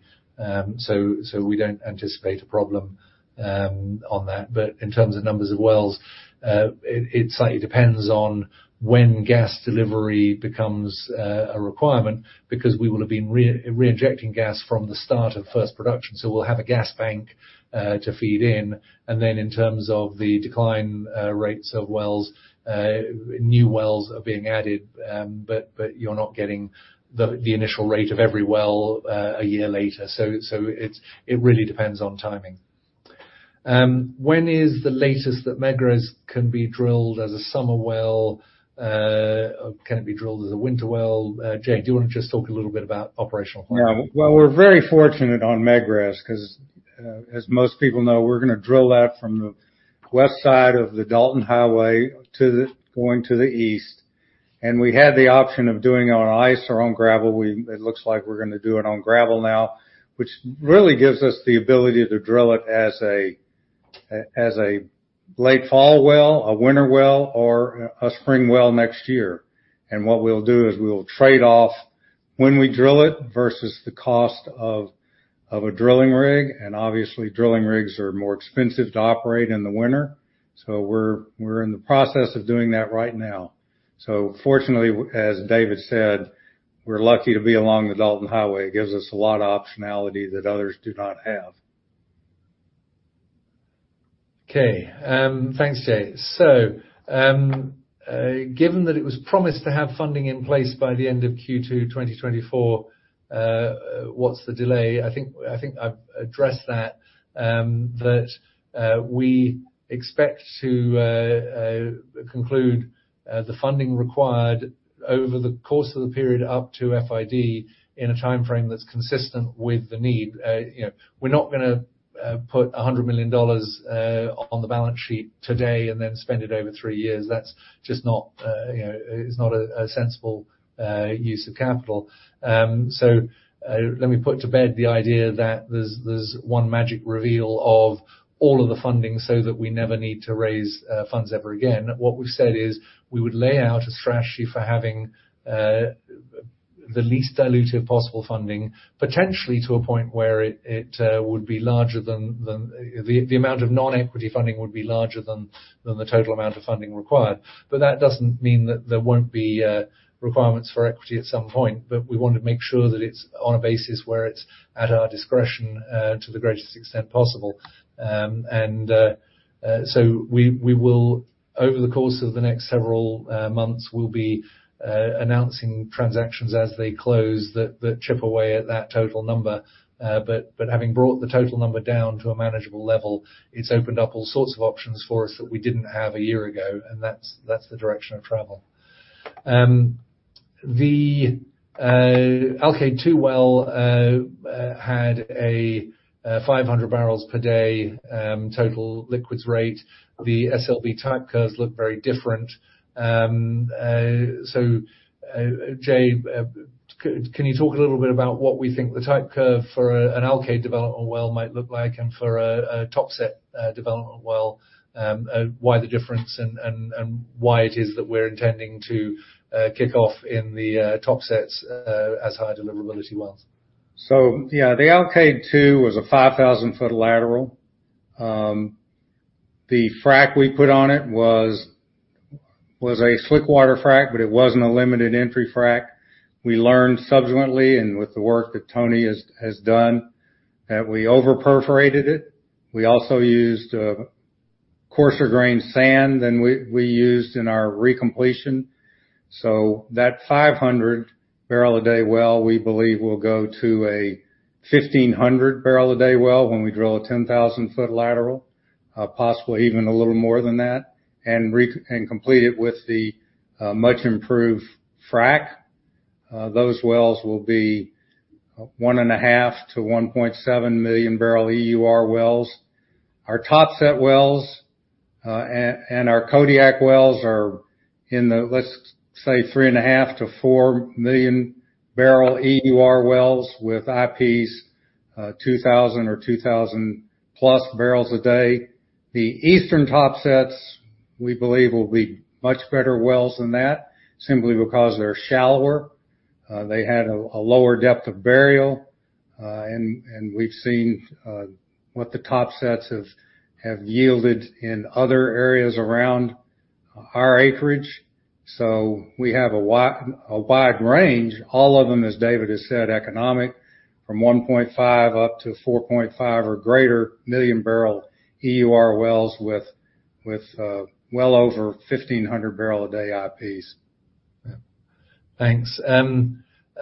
Speaker 2: We don't anticipate a problem on that. In terms of numbers of wells, it slightly depends on when gas delivery becomes a requirement, because we will have been reinjecting gas from the start of first production, so we'll have a gas bank to feed in. Then in terms of the decline rates of wells, new wells are being added, but you're not getting the initial rate of every well a year later. It really depends on timing. When is the latest that Megrez can be drilled as a summer well? Can it be drilled as a winter well? Jay, do you wanna just talk a little bit about operational planning?
Speaker 3: Well, we're very fortunate on Megrez 'cause, as most people know, we're gonna drill that from the west side of the Dalton Highway to the east. We had the option of doing it on ice or on gravel. It looks like we're gonna do it on gravel now, which really gives us the ability to drill it as a late fall well, a winter well, or a spring well next year. What we'll do is we will trade off when we drill it versus the cost of a drilling rig. Obviously, drilling rigs are more expensive to operate in the winter. We're in the process of doing that right now. Fortunately, as David said, we're lucky to be along the Dalton Highway. It gives us a lot of optionality that others do not have.
Speaker 2: Okay. Thanks, Jay. Given that it was promised to have funding in place by the end of Q2 2024, what's the delay? I think I've addressed that we expect to conclude the funding required over the course of the period up to FID in a timeframe that's consistent with the need. You know, we're not gonna put $100 million on the balance sheet today and then spend it over three years. That's just not you know, it's not a sensible use of capital. Let me put to bed the idea that there's one magic reveal of all of the funding so that we never need to raise funds ever again. What we've said is, we would lay out a strategy for having the least dilutive possible funding, potentially to a point where the amount of non-equity funding would be larger than the total amount of funding required. That doesn't mean that there won't be requirements for equity at some point. We want to make sure that it's on a basis where it's at our discretion to the greatest extent possible. Over the course of the next several months, we'll be announcing transactions as they close that chip away at that total number. Having brought the total number down to a manageable level, it's opened up all sorts of options for us that we didn't have a year ago. That's the direction of travel. The Alkaid-2 well had a 500 barrels per day total liquids rate. The SLB type curves look very different. Jay, can you talk a little bit about what we think the type curve for an Alkaid development well might look like and for a Topsets development well, why the difference and why it is that we're intending to kick off in the Topsets as high deliverability wells?
Speaker 3: Yeah, the Alkaid two was a 5,000-foot lateral. The frack we put on it was a slick water frack, but it wasn't a limited entry frack. We learned subsequently, and with the work that Tony has done, that we over-perforated it. We also used coarser grain sand than we used in our recompletion. That 500 barrel a day well we believe will go to a 1,500 barrel a day well when we drill a 10,000-foot lateral, possibly even a little more than that. Complete it with the much improved frack, those wells will be 1.5-1.7 million barrel EUR wells. Our Topsets wells and our Kodiak wells are in the, let's say, 3.5-4 million-barrel EUR wells with IPs 2,000 or 2,000+ barrels a day. The eastern Topsets, we believe, will be much better wells than that simply because they're shallower. They had a lower depth of burial and we've seen what the Topsets have yielded in other areas around our acreage. We have a wide range. All of them, as David has said, are economic from 1.5-4.5 or greater million-barrel EUR wells with well over 1,500 barrels a day IPs.
Speaker 2: Thanks.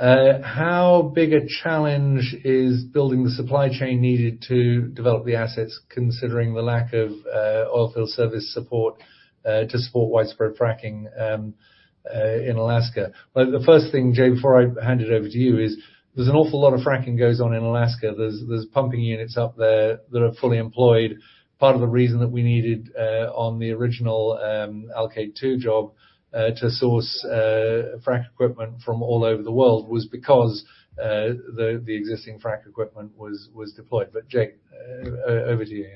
Speaker 2: How big a challenge is building the supply chain needed to develop the assets considering the lack of oilfield service support to support widespread fracking in Alaska? The first thing, Jay, before I hand it over to you, is there's an awful lot of fracking goes on in Alaska. There's pumping units up there that are fully employed. Part of the reason that we needed on the original Alkaid two job to source frack equipment from all over the world was because the existing frack equipment was deployed. Jay, over to you.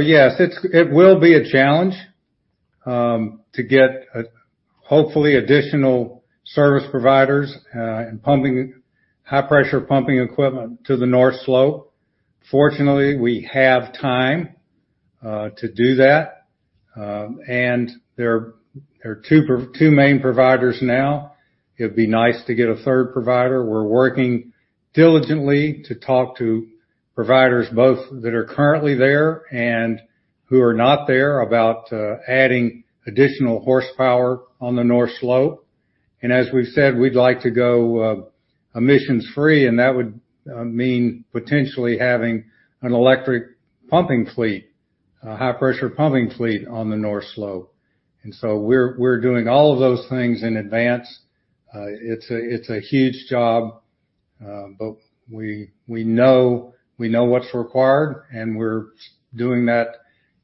Speaker 3: Yes, it will be a challenge to get hopefully additional service providers and high pressure pumping equipment to the North Slope. Fortunately, we have time to do that. There are two main providers now. It'd be nice to get a third provider. We're working diligently to talk to providers both that are currently there and who are not there about adding additional horsepower on the North Slope. As we've said, we'd like to go emissions free, and that would mean potentially having an electric pumping fleet, a high pressure pumping fleet on the North Slope. We're doing all of those things in advance. It's a huge job, but we know what's required, and we're doing that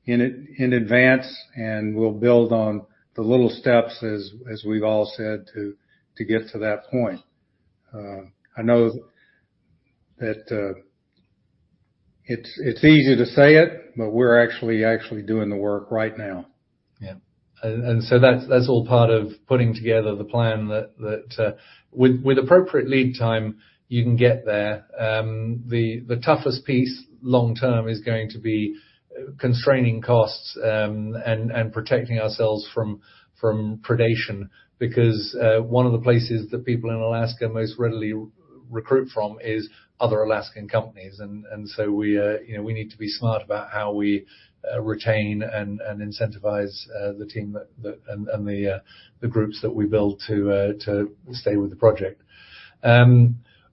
Speaker 3: in advance, and we'll build on the little steps as we've all said, to get to that point. I know that it's easy to say it, but we're actually doing the work right now.
Speaker 2: That's all part of putting together the plan that with appropriate lead time you can get there. The toughest piece long-term is going to be constraining costs and protecting ourselves from predation, because one of the places that people in Alaska most readily recruit from is other Alaskan companies. We you know need to be smart about how we retain and incentivize the team that and the groups that we build to stay with the project.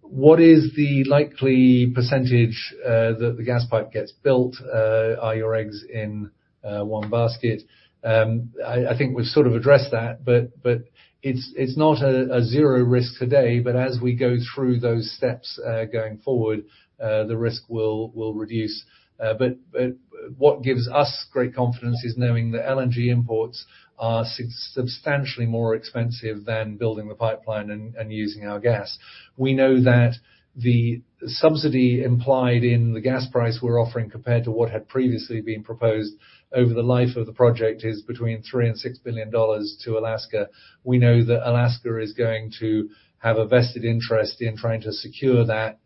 Speaker 2: What is the likely percentage that the gas pipe gets built? Are your eggs in one basket? I think we've sort of addressed that, but it's not a zero risk today. As we go through those steps, going forward, the risk will reduce. What gives us great confidence is knowing that LNG imports are substantially more expensive than building the pipeline and using our gas. We know that the subsidy implied in the gas price we're offering compared to what had previously been proposed over the life of the project is between $3 billion and $6 billion to Alaska. We know that Alaska is going to have a vested interest in trying to secure that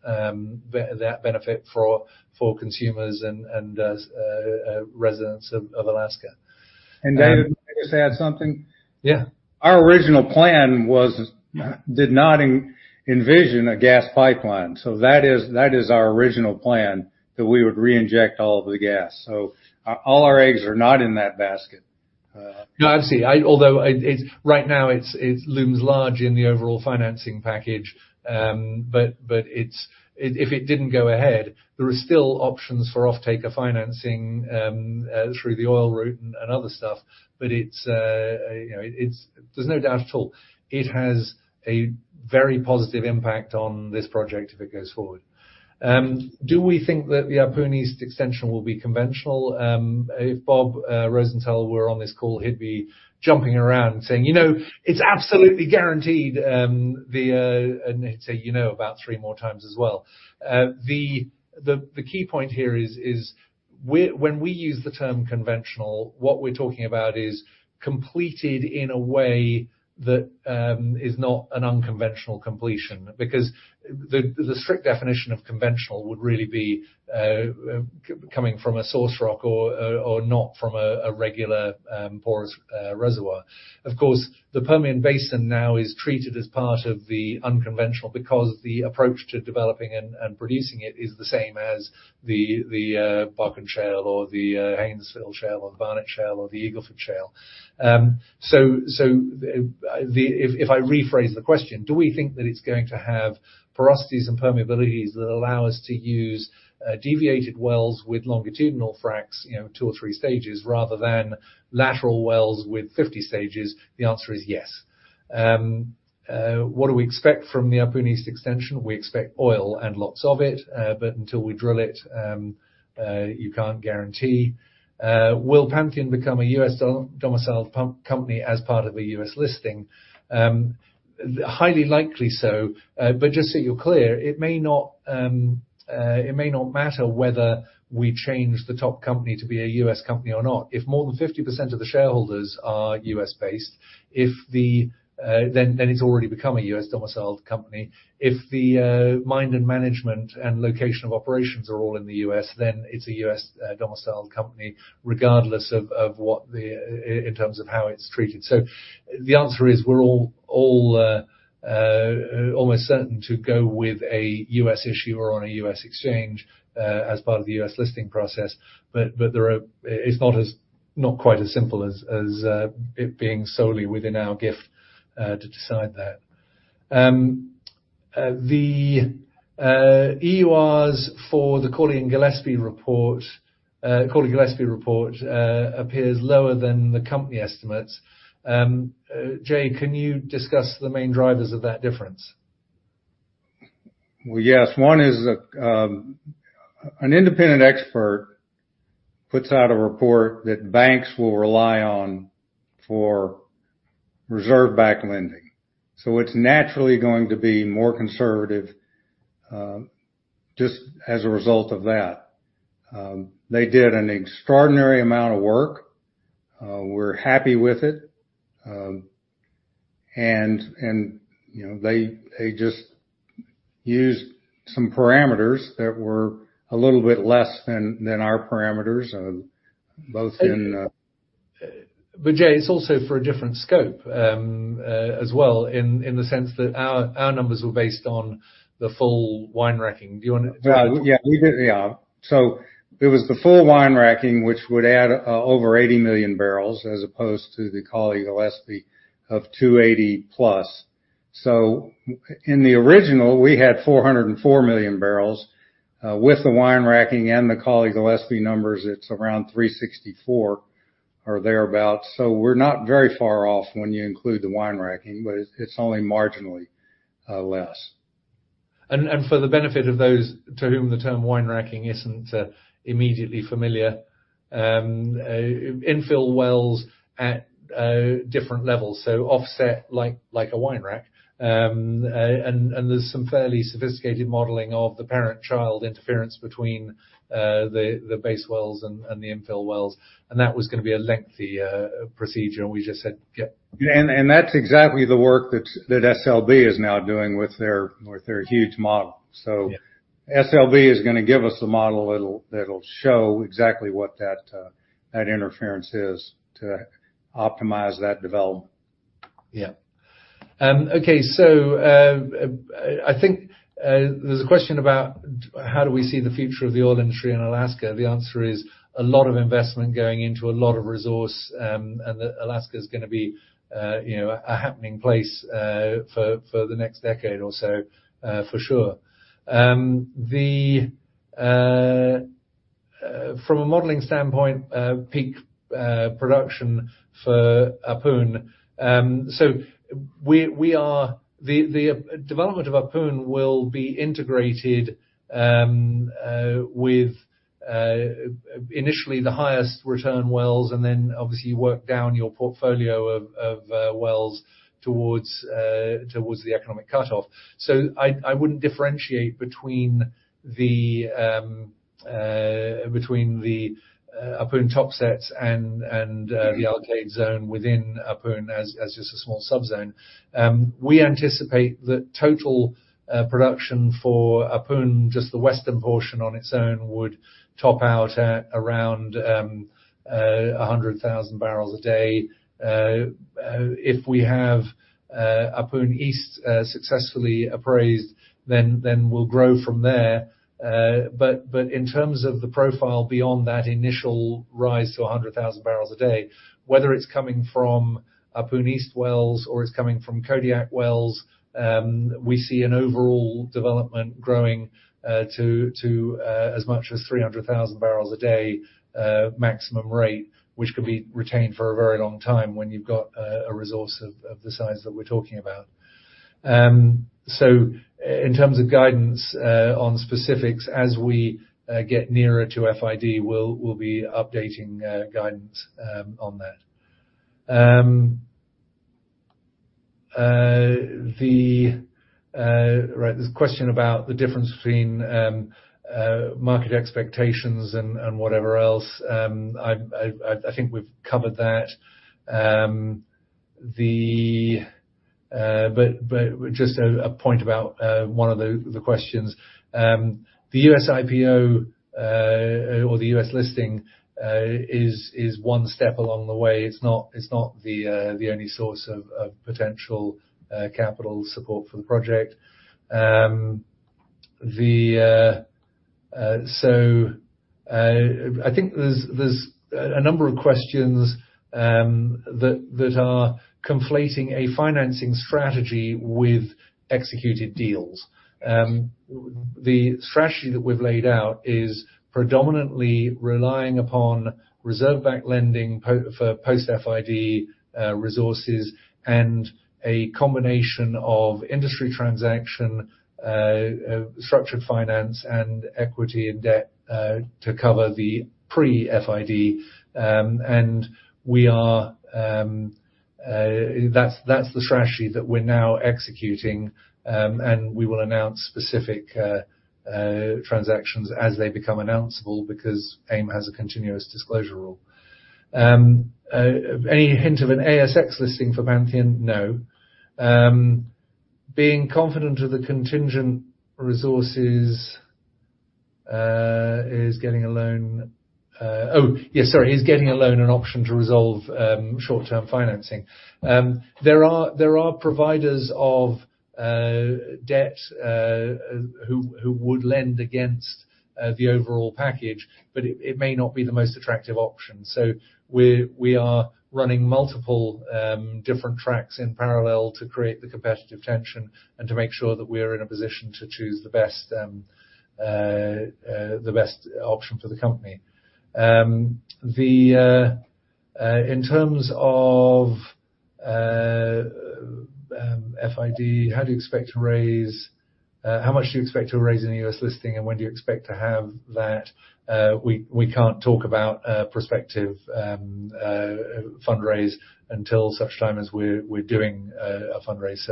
Speaker 2: benefit for consumers and residents of Alaska.
Speaker 3: David, may I just add something?
Speaker 2: Yeah.
Speaker 3: Our original plan did not envision a gas pipeline, so that is our original plan, that we would reinject all of the gas. All our eggs are not in that basket.
Speaker 2: No, I see. Although it's right now it looms large in the overall financing package. If it didn't go ahead, there are still options for offtaker financing through the oil route and other stuff. It's, you know, there's no doubt at all it has a very positive impact on this project if it goes forward. Do we think that the Ahpun East extension will be conventional? If Bob Rosenthal were on this call, he'd be jumping around saying, "You know, it's absolutely guaranteed," and he'd say you know about three more times as well. The key point here is, when we use the term conventional, what we're talking about is completed in a way that is not an unconventional completion. Because the strict definition of conventional would really be coming from a source rock or not from a regular porous reservoir. Of course, the Permian Basin now is treated as part of the unconventional because the approach to developing and producing it is the same as the Bakken Shale or the Haynesville Shale or the Barnett Shale or the Eagle Ford Shale. If I rephrase the question, do we think that it's going to have porosities and permeabilities that allow us to use deviated wells with longitudinal fracs, you know, two or three stages, rather than lateral wells with 50 stages? The answer is yes. What do we expect from the Ahpun East extension? We expect oil and lots of it, but until we drill it, you can't guarantee. Will Pantheon become a U.S.-domiciled public company as part of a U.S. listing? Highly likely so, but just so you're clear, it may not matter whether we change the top company to be a U.S. company or not. If more than 50% of the shareholders are U.S.-based, then it's already become a U.S.-domiciled company. If the mind and management and location of operations are all in the U.S., then it's a U.S. domiciled company, regardless of, in terms of how it's treated. The answer is we're all almost certain to go with a U.S. issuer on a U.S. exchange, as part of the U.S. listing process. It's not quite as simple as it being solely within our gift to decide that. The EWAs for the Cawley and Gillespie report appears lower than the company estimates. Jay, can you discuss the main drivers of that difference?
Speaker 3: Well, yes. One is an independent expert puts out a report that banks will rely on for reserve-backed lending. It's naturally going to be more conservative just as a result of that. They did an extraordinary amount of work. We're happy with it. And you know, they just used some parameters that were a little bit less than our parameters both in
Speaker 2: Jay, it's also for a different scope, as well, in the sense that our numbers were based on the full wine-racking. Do you wanna-
Speaker 3: Well, yeah, we did. Yeah. It was the full wine-racking, which would add over 80 million barrels as opposed to the Cawley Gillespie of 280+. In the original, we had 404 million barrels. With the wine-racking and the Cawley Gillespie numbers, it's around 364 or thereabout. We're not very far off when you include the wine-racking, but it's only marginally less.
Speaker 2: For the benefit of those to whom the term wine-racking isn't immediately familiar, infill wells at different levels, so offset like a wine rack. There's some fairly sophisticated modeling of the parent-child interference between the base wells and the infill wells. That was gonna be a lengthy procedure, and we just said, "Yep.
Speaker 3: That's exactly the work that SLB is now doing with their huge model.
Speaker 2: Yeah.
Speaker 3: SLB is gonna give us a model that'll show exactly what that interference is to optimize that development.
Speaker 2: I think there's a question about how we see the future of the oil industry in Alaska. The answer is a lot of investment going into a lot of resource, and Alaska is gonna be, you know, a happening place, for the next decade or so, for sure. From a modeling standpoint, peak production for Ahpun. The development of Ahpun will be integrated with initially the highest return wells, and then obviously you work down your portfolio of wells towards the economic cutoff. I wouldn't differentiate between the Ahpun topsets and the Alkaid Zone within Ahpun as just a small subzone. We anticipate that total production for Ahpun, just the western portion on its own, would top out at around 100,000 barrels a day. If we have Ahpun East successfully appraised, then we'll grow from there. In terms of the profile beyond that initial rise to 100,000 barrels a day, whether it's coming from Ahpun East wells or it's coming from Kodiak wells, we see an overall development growing to as much as 300,000 barrels a day maximum rate, which could be retained for a very long time when you've got a resource of the size that we're talking about. In terms of guidance on specifics, as we get nearer to FID, we'll be updating guidance on that. Right. There's a question about the difference between market expectations and whatever else. I think we've covered that. Just a point about one of the questions. The U.S. IPO or the U.S. listing is one step along the way. It's not the only source of potential capital support for the project. I think there's a number of questions that are conflating a financing strategy with executed deals. The strategy that we've laid out is predominantly relying upon reserve-backed lending for post-FID resources and a combination of industry transactions, structured finance and equity and debt to cover the pre-FID. That's the strategy that we're now executing, and we will announce specific transactions as they become announceable because AIM has a continuous disclosure rule. Any hint of an ASX listing for Pantheon? No. Being confident of the contingent resources, is getting a loan an option to resolve short-term financing? Oh, yes, sorry. There are providers of debt who would lend against the overall package, but it may not be the most attractive option. We're running multiple different tracks in parallel to create the competitive tension and to make sure that we're in a position to choose the best option for the company. In terms of FID, how much do you expect to raise in a U.S. listing, and when do you expect to have that? We can't talk about a prospective fundraise until such time as we're doing a fundraise.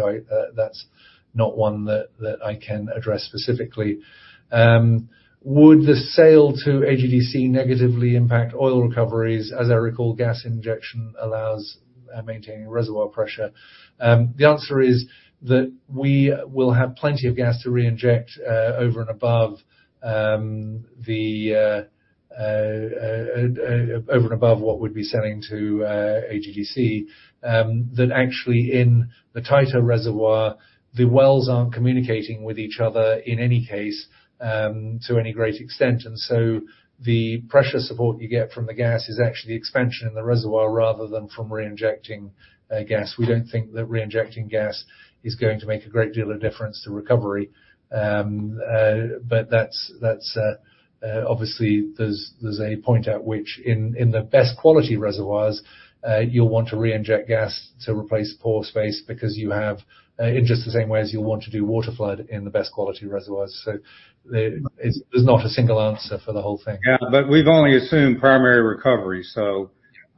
Speaker 2: That's not one that I can address specifically. Would the sale to AGDC negatively impact oil recoveries? As I recall, gas injection allows maintaining reservoir pressure. The answer is that we will have plenty of gas to reinject, over and above what we'd be selling to AGDC. That actually in the Talitha reservoir, the wells aren't communicating with each other in any case, to any great extent. The pressure support you get from the gas is actually expansion in the reservoir rather than from reinjecting gas. We don't think that reinjecting gas is going to make a great deal of difference to recovery. But that's obviously there's a point at which in the best quality reservoirs you'll want to reinject gas to replace pore space because you have in just the same way as you'll want to do water flood in the best quality reservoirs. There's not a single answer for the whole thing.
Speaker 3: Yeah. We've only assumed primary recovery, so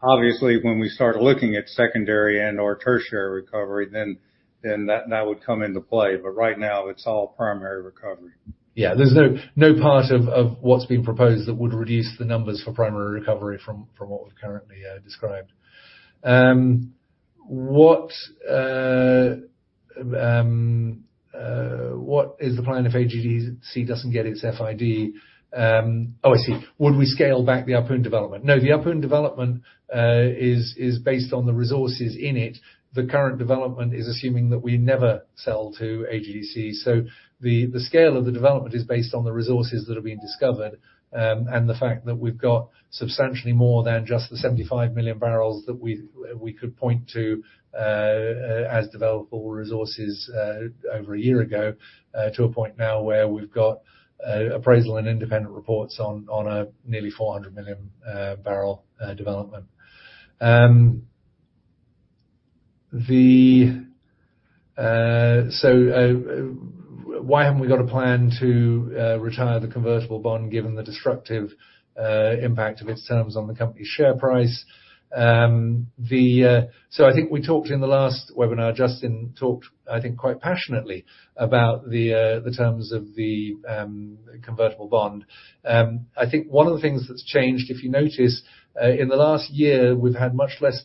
Speaker 3: obviously when we start looking at secondary and/or tertiary recovery then that would come into play. Right now it's all primary recovery.
Speaker 2: Yeah. There's no part of what's being proposed that would reduce the numbers for primary recovery from what we've currently described. What is the plan if AGDC doesn't get its FID? I see. Would we scale back the Ahpun development? No, the Ahpun development is based on the resources in it. The current development is assuming that we never sell to AGDC. The scale of the development is based on the resources that have been discovered, and the fact that we've got substantially more than just the 75 million barrels that we could point to as developable resources over a year ago. To a point now where we've got appraisal and independent reports on a nearly 400 million barrel development. The Why haven't we got a plan to retire the convertible bond given the destructive impact of its terms on the company's share price? I think we talked in the last webinar. Justin talked, I think, quite passionately about the terms of the convertible bond. I think one of the things that's changed, if you notice, in the last year, we've had much less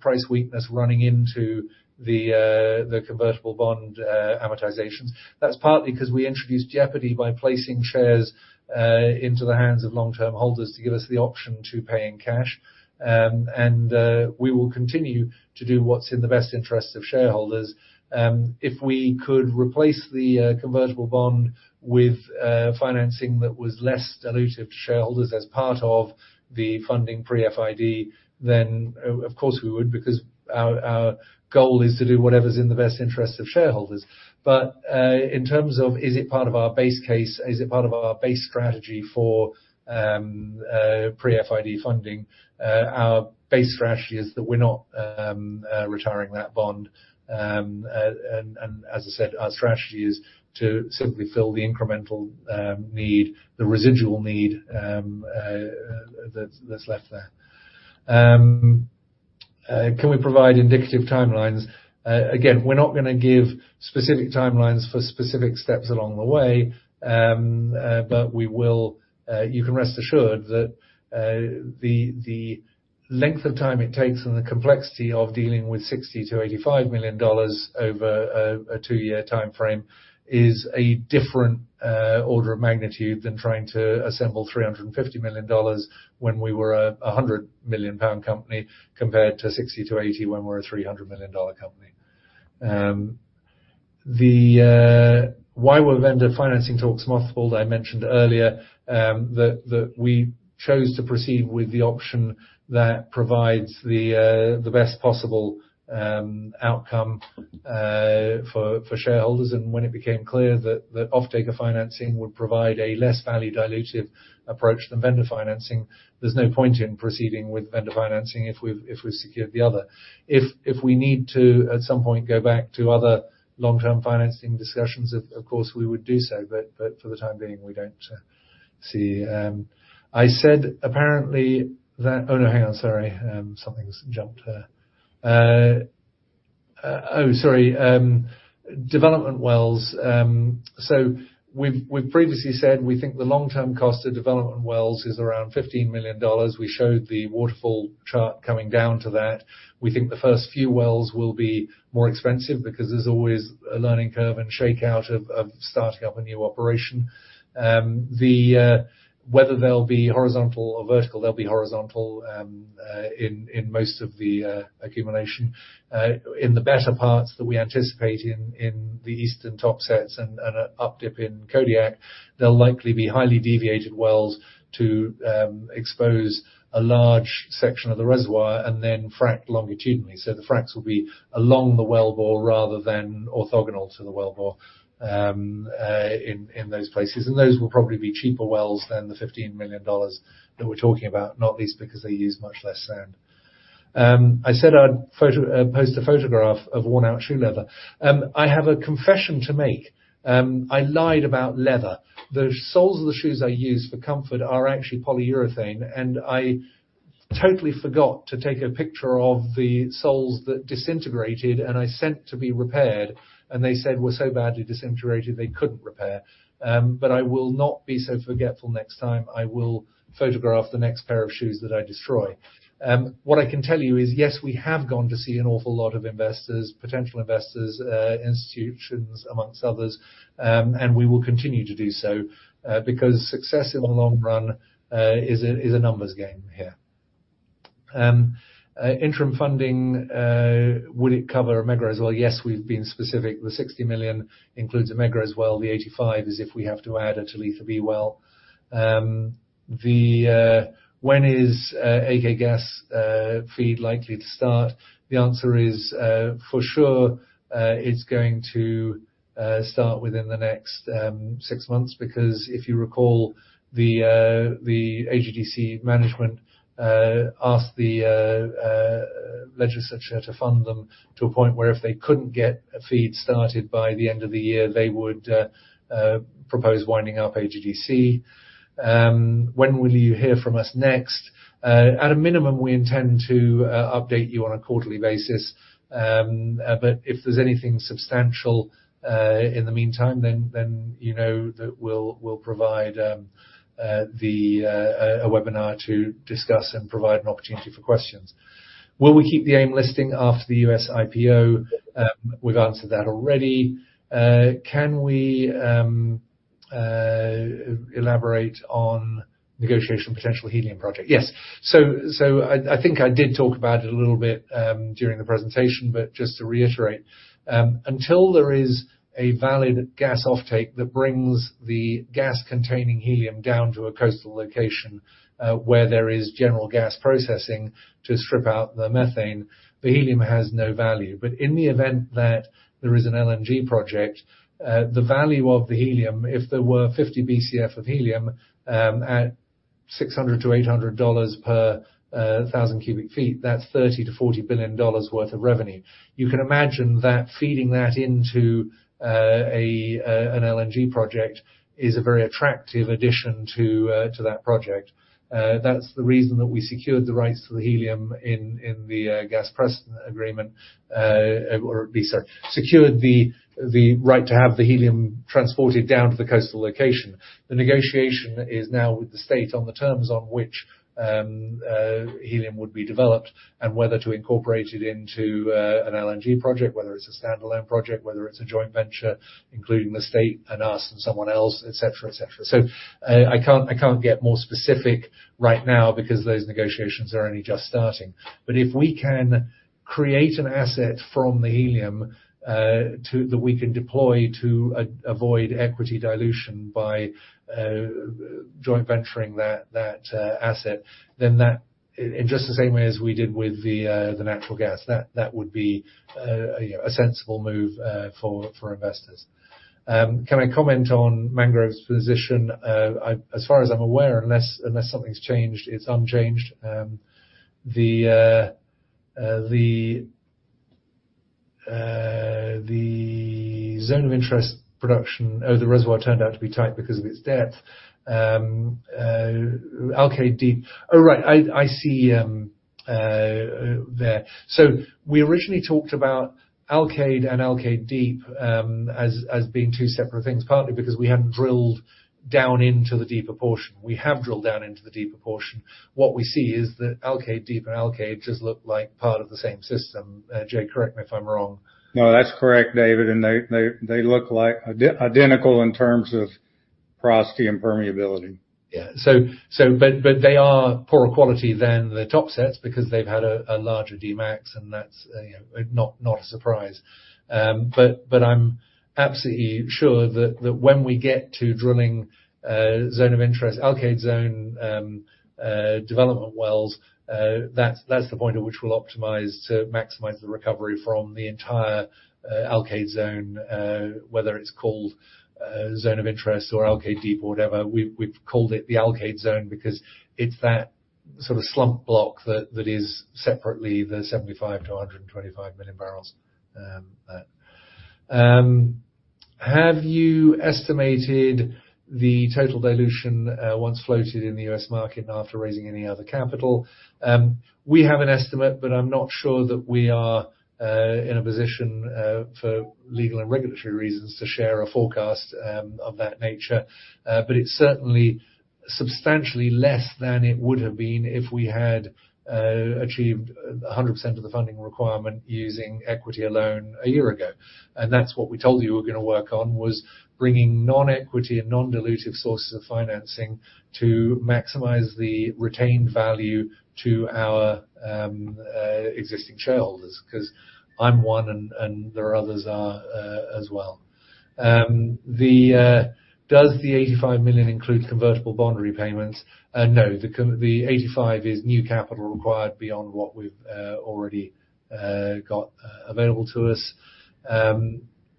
Speaker 2: price weakness running into the convertible bond amortizations. That's partly 'cause we introduced jeopardy by placing shares into the hands of long-term holders to give us the option to pay in cash. We will continue to do what's in the best interests of shareholders. If we could replace the convertible bond with financing that was less dilutive to shareholders as part of the funding pre-FID, then of course we would. Because our goal is to do whatever's in the best interest of shareholders. In terms of, is it part of our base case? Is it part of our base strategy for pre-FID funding? Our base strategy is that we're not retiring that bond. As I said, our strategy is to simply fill the incremental need, the residual need that's left there. Can we provide indicative timelines? Again, we're not gonna give specific timelines for specific steps along the way. You can rest assured that the length of time it takes and the complexity of dealing with $60 million-$85 million over a two-year timeframe is a different order of magnitude than trying to assemble $350 million when we were a 100 million pound company, compared to $60 million-$80 million when we're a $300 million company. Why were vendor financing talks mothballed? I mentioned earlier that we chose to proceed with the option that provides the best possible outcome for shareholders. When it became clear that offtaker financing would provide a less value dilutive approach than vendor financing, there's no point in proceeding with vendor financing if we've secured the other. If we need to, at some point, go back to other long-term financing discussions, of course, we would do so, but for the time being, we don't see. Development wells. We've previously said we think the long-term cost of development wells is around $15 million. We showed the waterfall chart coming down to that. We think the first few wells will be more expensive because there's always a learning curve and shakeout of starting up a new operation. Whether they'll be horizontal or vertical, they'll be horizontal, in most of the accumulation. In the better parts that we anticipate in the eastern Topsets and updip in Kodiak, they'll likely be highly deviated wells to expose a large section of the reservoir and then frack longitudinally. The fracks will be along the wellbore rather than orthogonal to the wellbore in those places. Those will probably be cheaper wells than the $15 million that we're talking about, not least because they use much less sand. I said I'd post a photograph of worn out shoe leather. I have a confession to make. I lied about leather. The soles of the shoes I use for comfort are actually polyurethane, and I totally forgot to take a picture of the soles that disintegrated and I sent to be repaired. They said they were so badly disintegrated they couldn't repair. I will not be so forgetful next time. I will photograph the next pair of shoes that I destroy. What I can tell you is, yes, we have gone to see an awful lot of investors, potential investors, institutions amongst others. We will continue to do so, because success in the long run is a numbers game here. Interim funding, would it cover a Megrez as well? Yes, we've been specific. The 60 million includes a Megrez as well. The 85 is if we have to add a Talitha B well. When is Alaska Gas FEED likely to start? The answer is, for sure, it's going to start within the next six months. Because if you recall, the AGDC management asked the legislature to fund them to a point where if they couldn't get a FEED started by the end of the year, they would propose winding up AGDC. When will you hear from us next? At a minimum, we intend to update you on a quarterly basis. If there's anything substantial in the meantime, then you know that we'll provide a webinar to discuss and provide an opportunity for questions. Will we keep the AIM listing after the U.S. IPO? We've answered that already. Can we elaborate on negotiation of potential helium project? Yes. I think I did talk about it a little bit during the presentation, but just to reiterate. Until there is a viable gas offtake that brings the gas containing helium down to a coastal location, where there is general gas processing to strip out the methane, the helium has no value. In the event that there is an LNG project, the value of the helium, if there were 50 Bcf of helium, at $600-$800 per thousand cu ft, that's $30 billion-$40 billion worth of revenue. You can imagine that feeding that into an LNG project is a very attractive addition to that project. That's the reason that we secured the rights to the helium in the gas processing agreement, secured the right to have the helium transported down to the coastal location. The negotiation is now with the state on the terms on which helium would be developed and whether to incorporate it into an LNG project, whether it's a standalone project, whether it's a joint venture, including the state and us and someone else, etcetera, etcetera. I can't get more specific right now because those negotiations are only just starting. If we can create an asset from the helium that we can deploy to avoid equity dilution by joint venturing that asset, then that in just the same way as we did with the natural gas. That would be, you know, a sensible move for investors. Can I comment on Mangrove's position? As far as I'm aware, unless something's changed, it's unchanged. The zone of interest production. The reservoir turned out to be tight because of its depth. Alkaid Deep. Right, I see there. We originally talked about Alkaid and Alkaid Deep as being two separate things, partly because we hadn't drilled down into the deeper portion. We have drilled down into the deeper portion. What we see is that Alkaid Deep and Alkaid just look like part of the same system. Jay, correct me if I'm wrong.
Speaker 3: No, that's correct, David. They look like identical in terms of porosity and permeability.
Speaker 2: Yeah. They are poorer quality than the Topsets because they've had a larger Dmax, and that's, you know, not a surprise. I'm absolutely sure that when we get to drilling zone of interest, Alkaid zone development wells, that's the point at which we'll optimize to maximize the recovery from the entire Alkaid zone, whether it's called zone of interest or Alkaid Deep or whatever. We've called it the Alkaid zone because it's that sort of slump block that is separately the 75-125 million barrels. Have you estimated the total dilution once floated in the U.S. market after raising any other capital? We have an estimate, but I'm not sure that we are in a position for legal and regulatory reasons to share a forecast of that nature. It's certainly substantially less than it would have been if we had achieved 100% of the funding requirement using equity alone a year ago. That's what we told you we were gonna work on, was bringing non-equity and non-dilutive sources of financing to maximize the retained value to our existing shareholders. 'Cause I'm one and there are others as well. Does the 85 million include convertible bond repayments? No. The 85 million is new capital required beyond what we've already got available to us.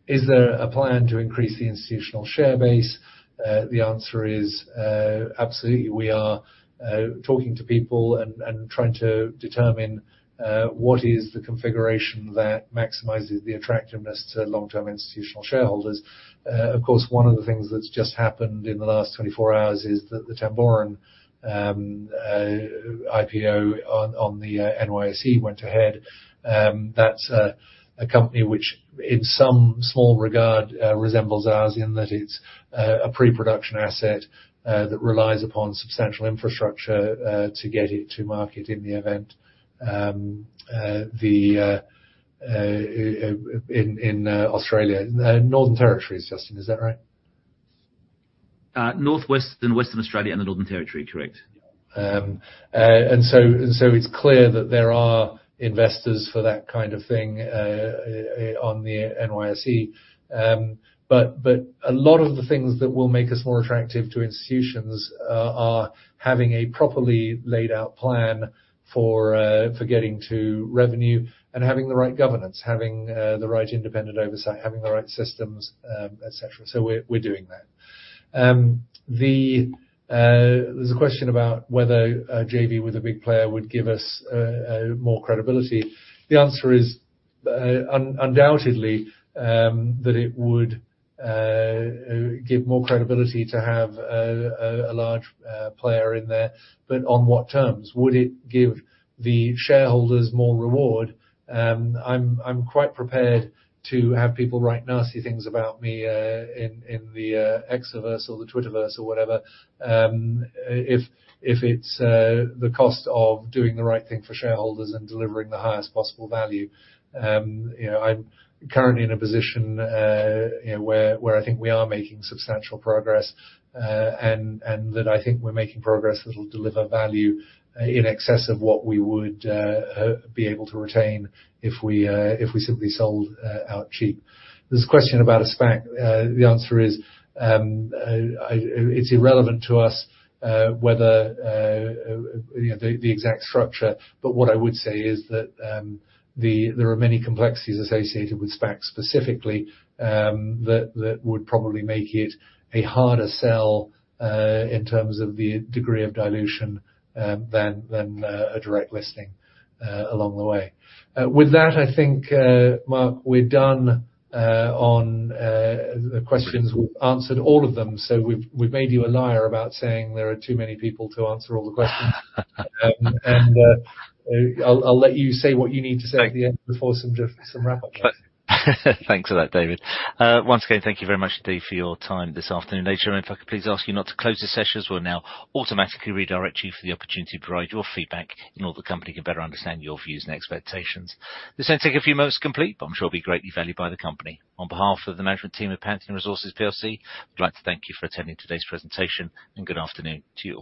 Speaker 2: Is there a plan to increase the institutional share base? The answer is absolutely. We are talking to people and trying to determine what is the configuration that maximizes the attractiveness to long-term institutional shareholders. Of course, one of the things that's just happened in the last 24 hours is that the Tamboran IPO on the NYSE went ahead. That's a company which in some small regard resembles ours in that it's a pre-production asset that relies upon substantial infrastructure to get it to market in the event. In Australia. Northern Territory, Justin, is that right?
Speaker 4: Northwest and Western Australia and the Northern Territory. Correct.
Speaker 2: It's clear that there are investors for that kind of thing on the NYSE. A lot of the things that will make us more attractive to institutions are having a properly laid out plan for getting to revenue and having the right governance, having the right independent oversight, having the right systems, etcetera. We're doing that. There's a question about whether a JV with a big player would give us more credibility. The answer is undoubtedly that it would give more credibility to have a large player in there, but on what terms? Would it give the shareholders more reward? I'm quite prepared to have people write nasty things about me in the X verse or the Twitter verse or whatever, if it's the cost of doing the right thing for shareholders and delivering the highest possible value. You know, I'm currently in a position you know where I think we are making substantial progress, and that I think we're making progress that'll deliver value in excess of what we would be able to retain if we simply sold out cheap. There's a question about a SPAC. The answer is, it's irrelevant to us whether you know the exact structure. What I would say is that there are many complexities associated with SPACs specifically, that would probably make it a harder sell in terms of the degree of dilution than a direct listing along the way. With that, I think, Mark, we're done on the questions. We've answered all of them. So we've made you a liar about saying there are too many people to answer all the questions. I'll let you say what you need to say at the end before some wrap up notes.
Speaker 1: Thanks for that, David. Once again, thank you very much indeed for your time this afternoon. Ladies and gentlemen, if I could please ask you not to close the sessions, we'll now automatically redirect you for the opportunity to provide your feedback in order that the company can better understand your views and expectations. This may take a few moments to complete, but I'm sure it'll be greatly valued by the company. On behalf of the management team at Pantheon Resources plc, I'd like to thank you for attending today's presentation and good afternoon to you all.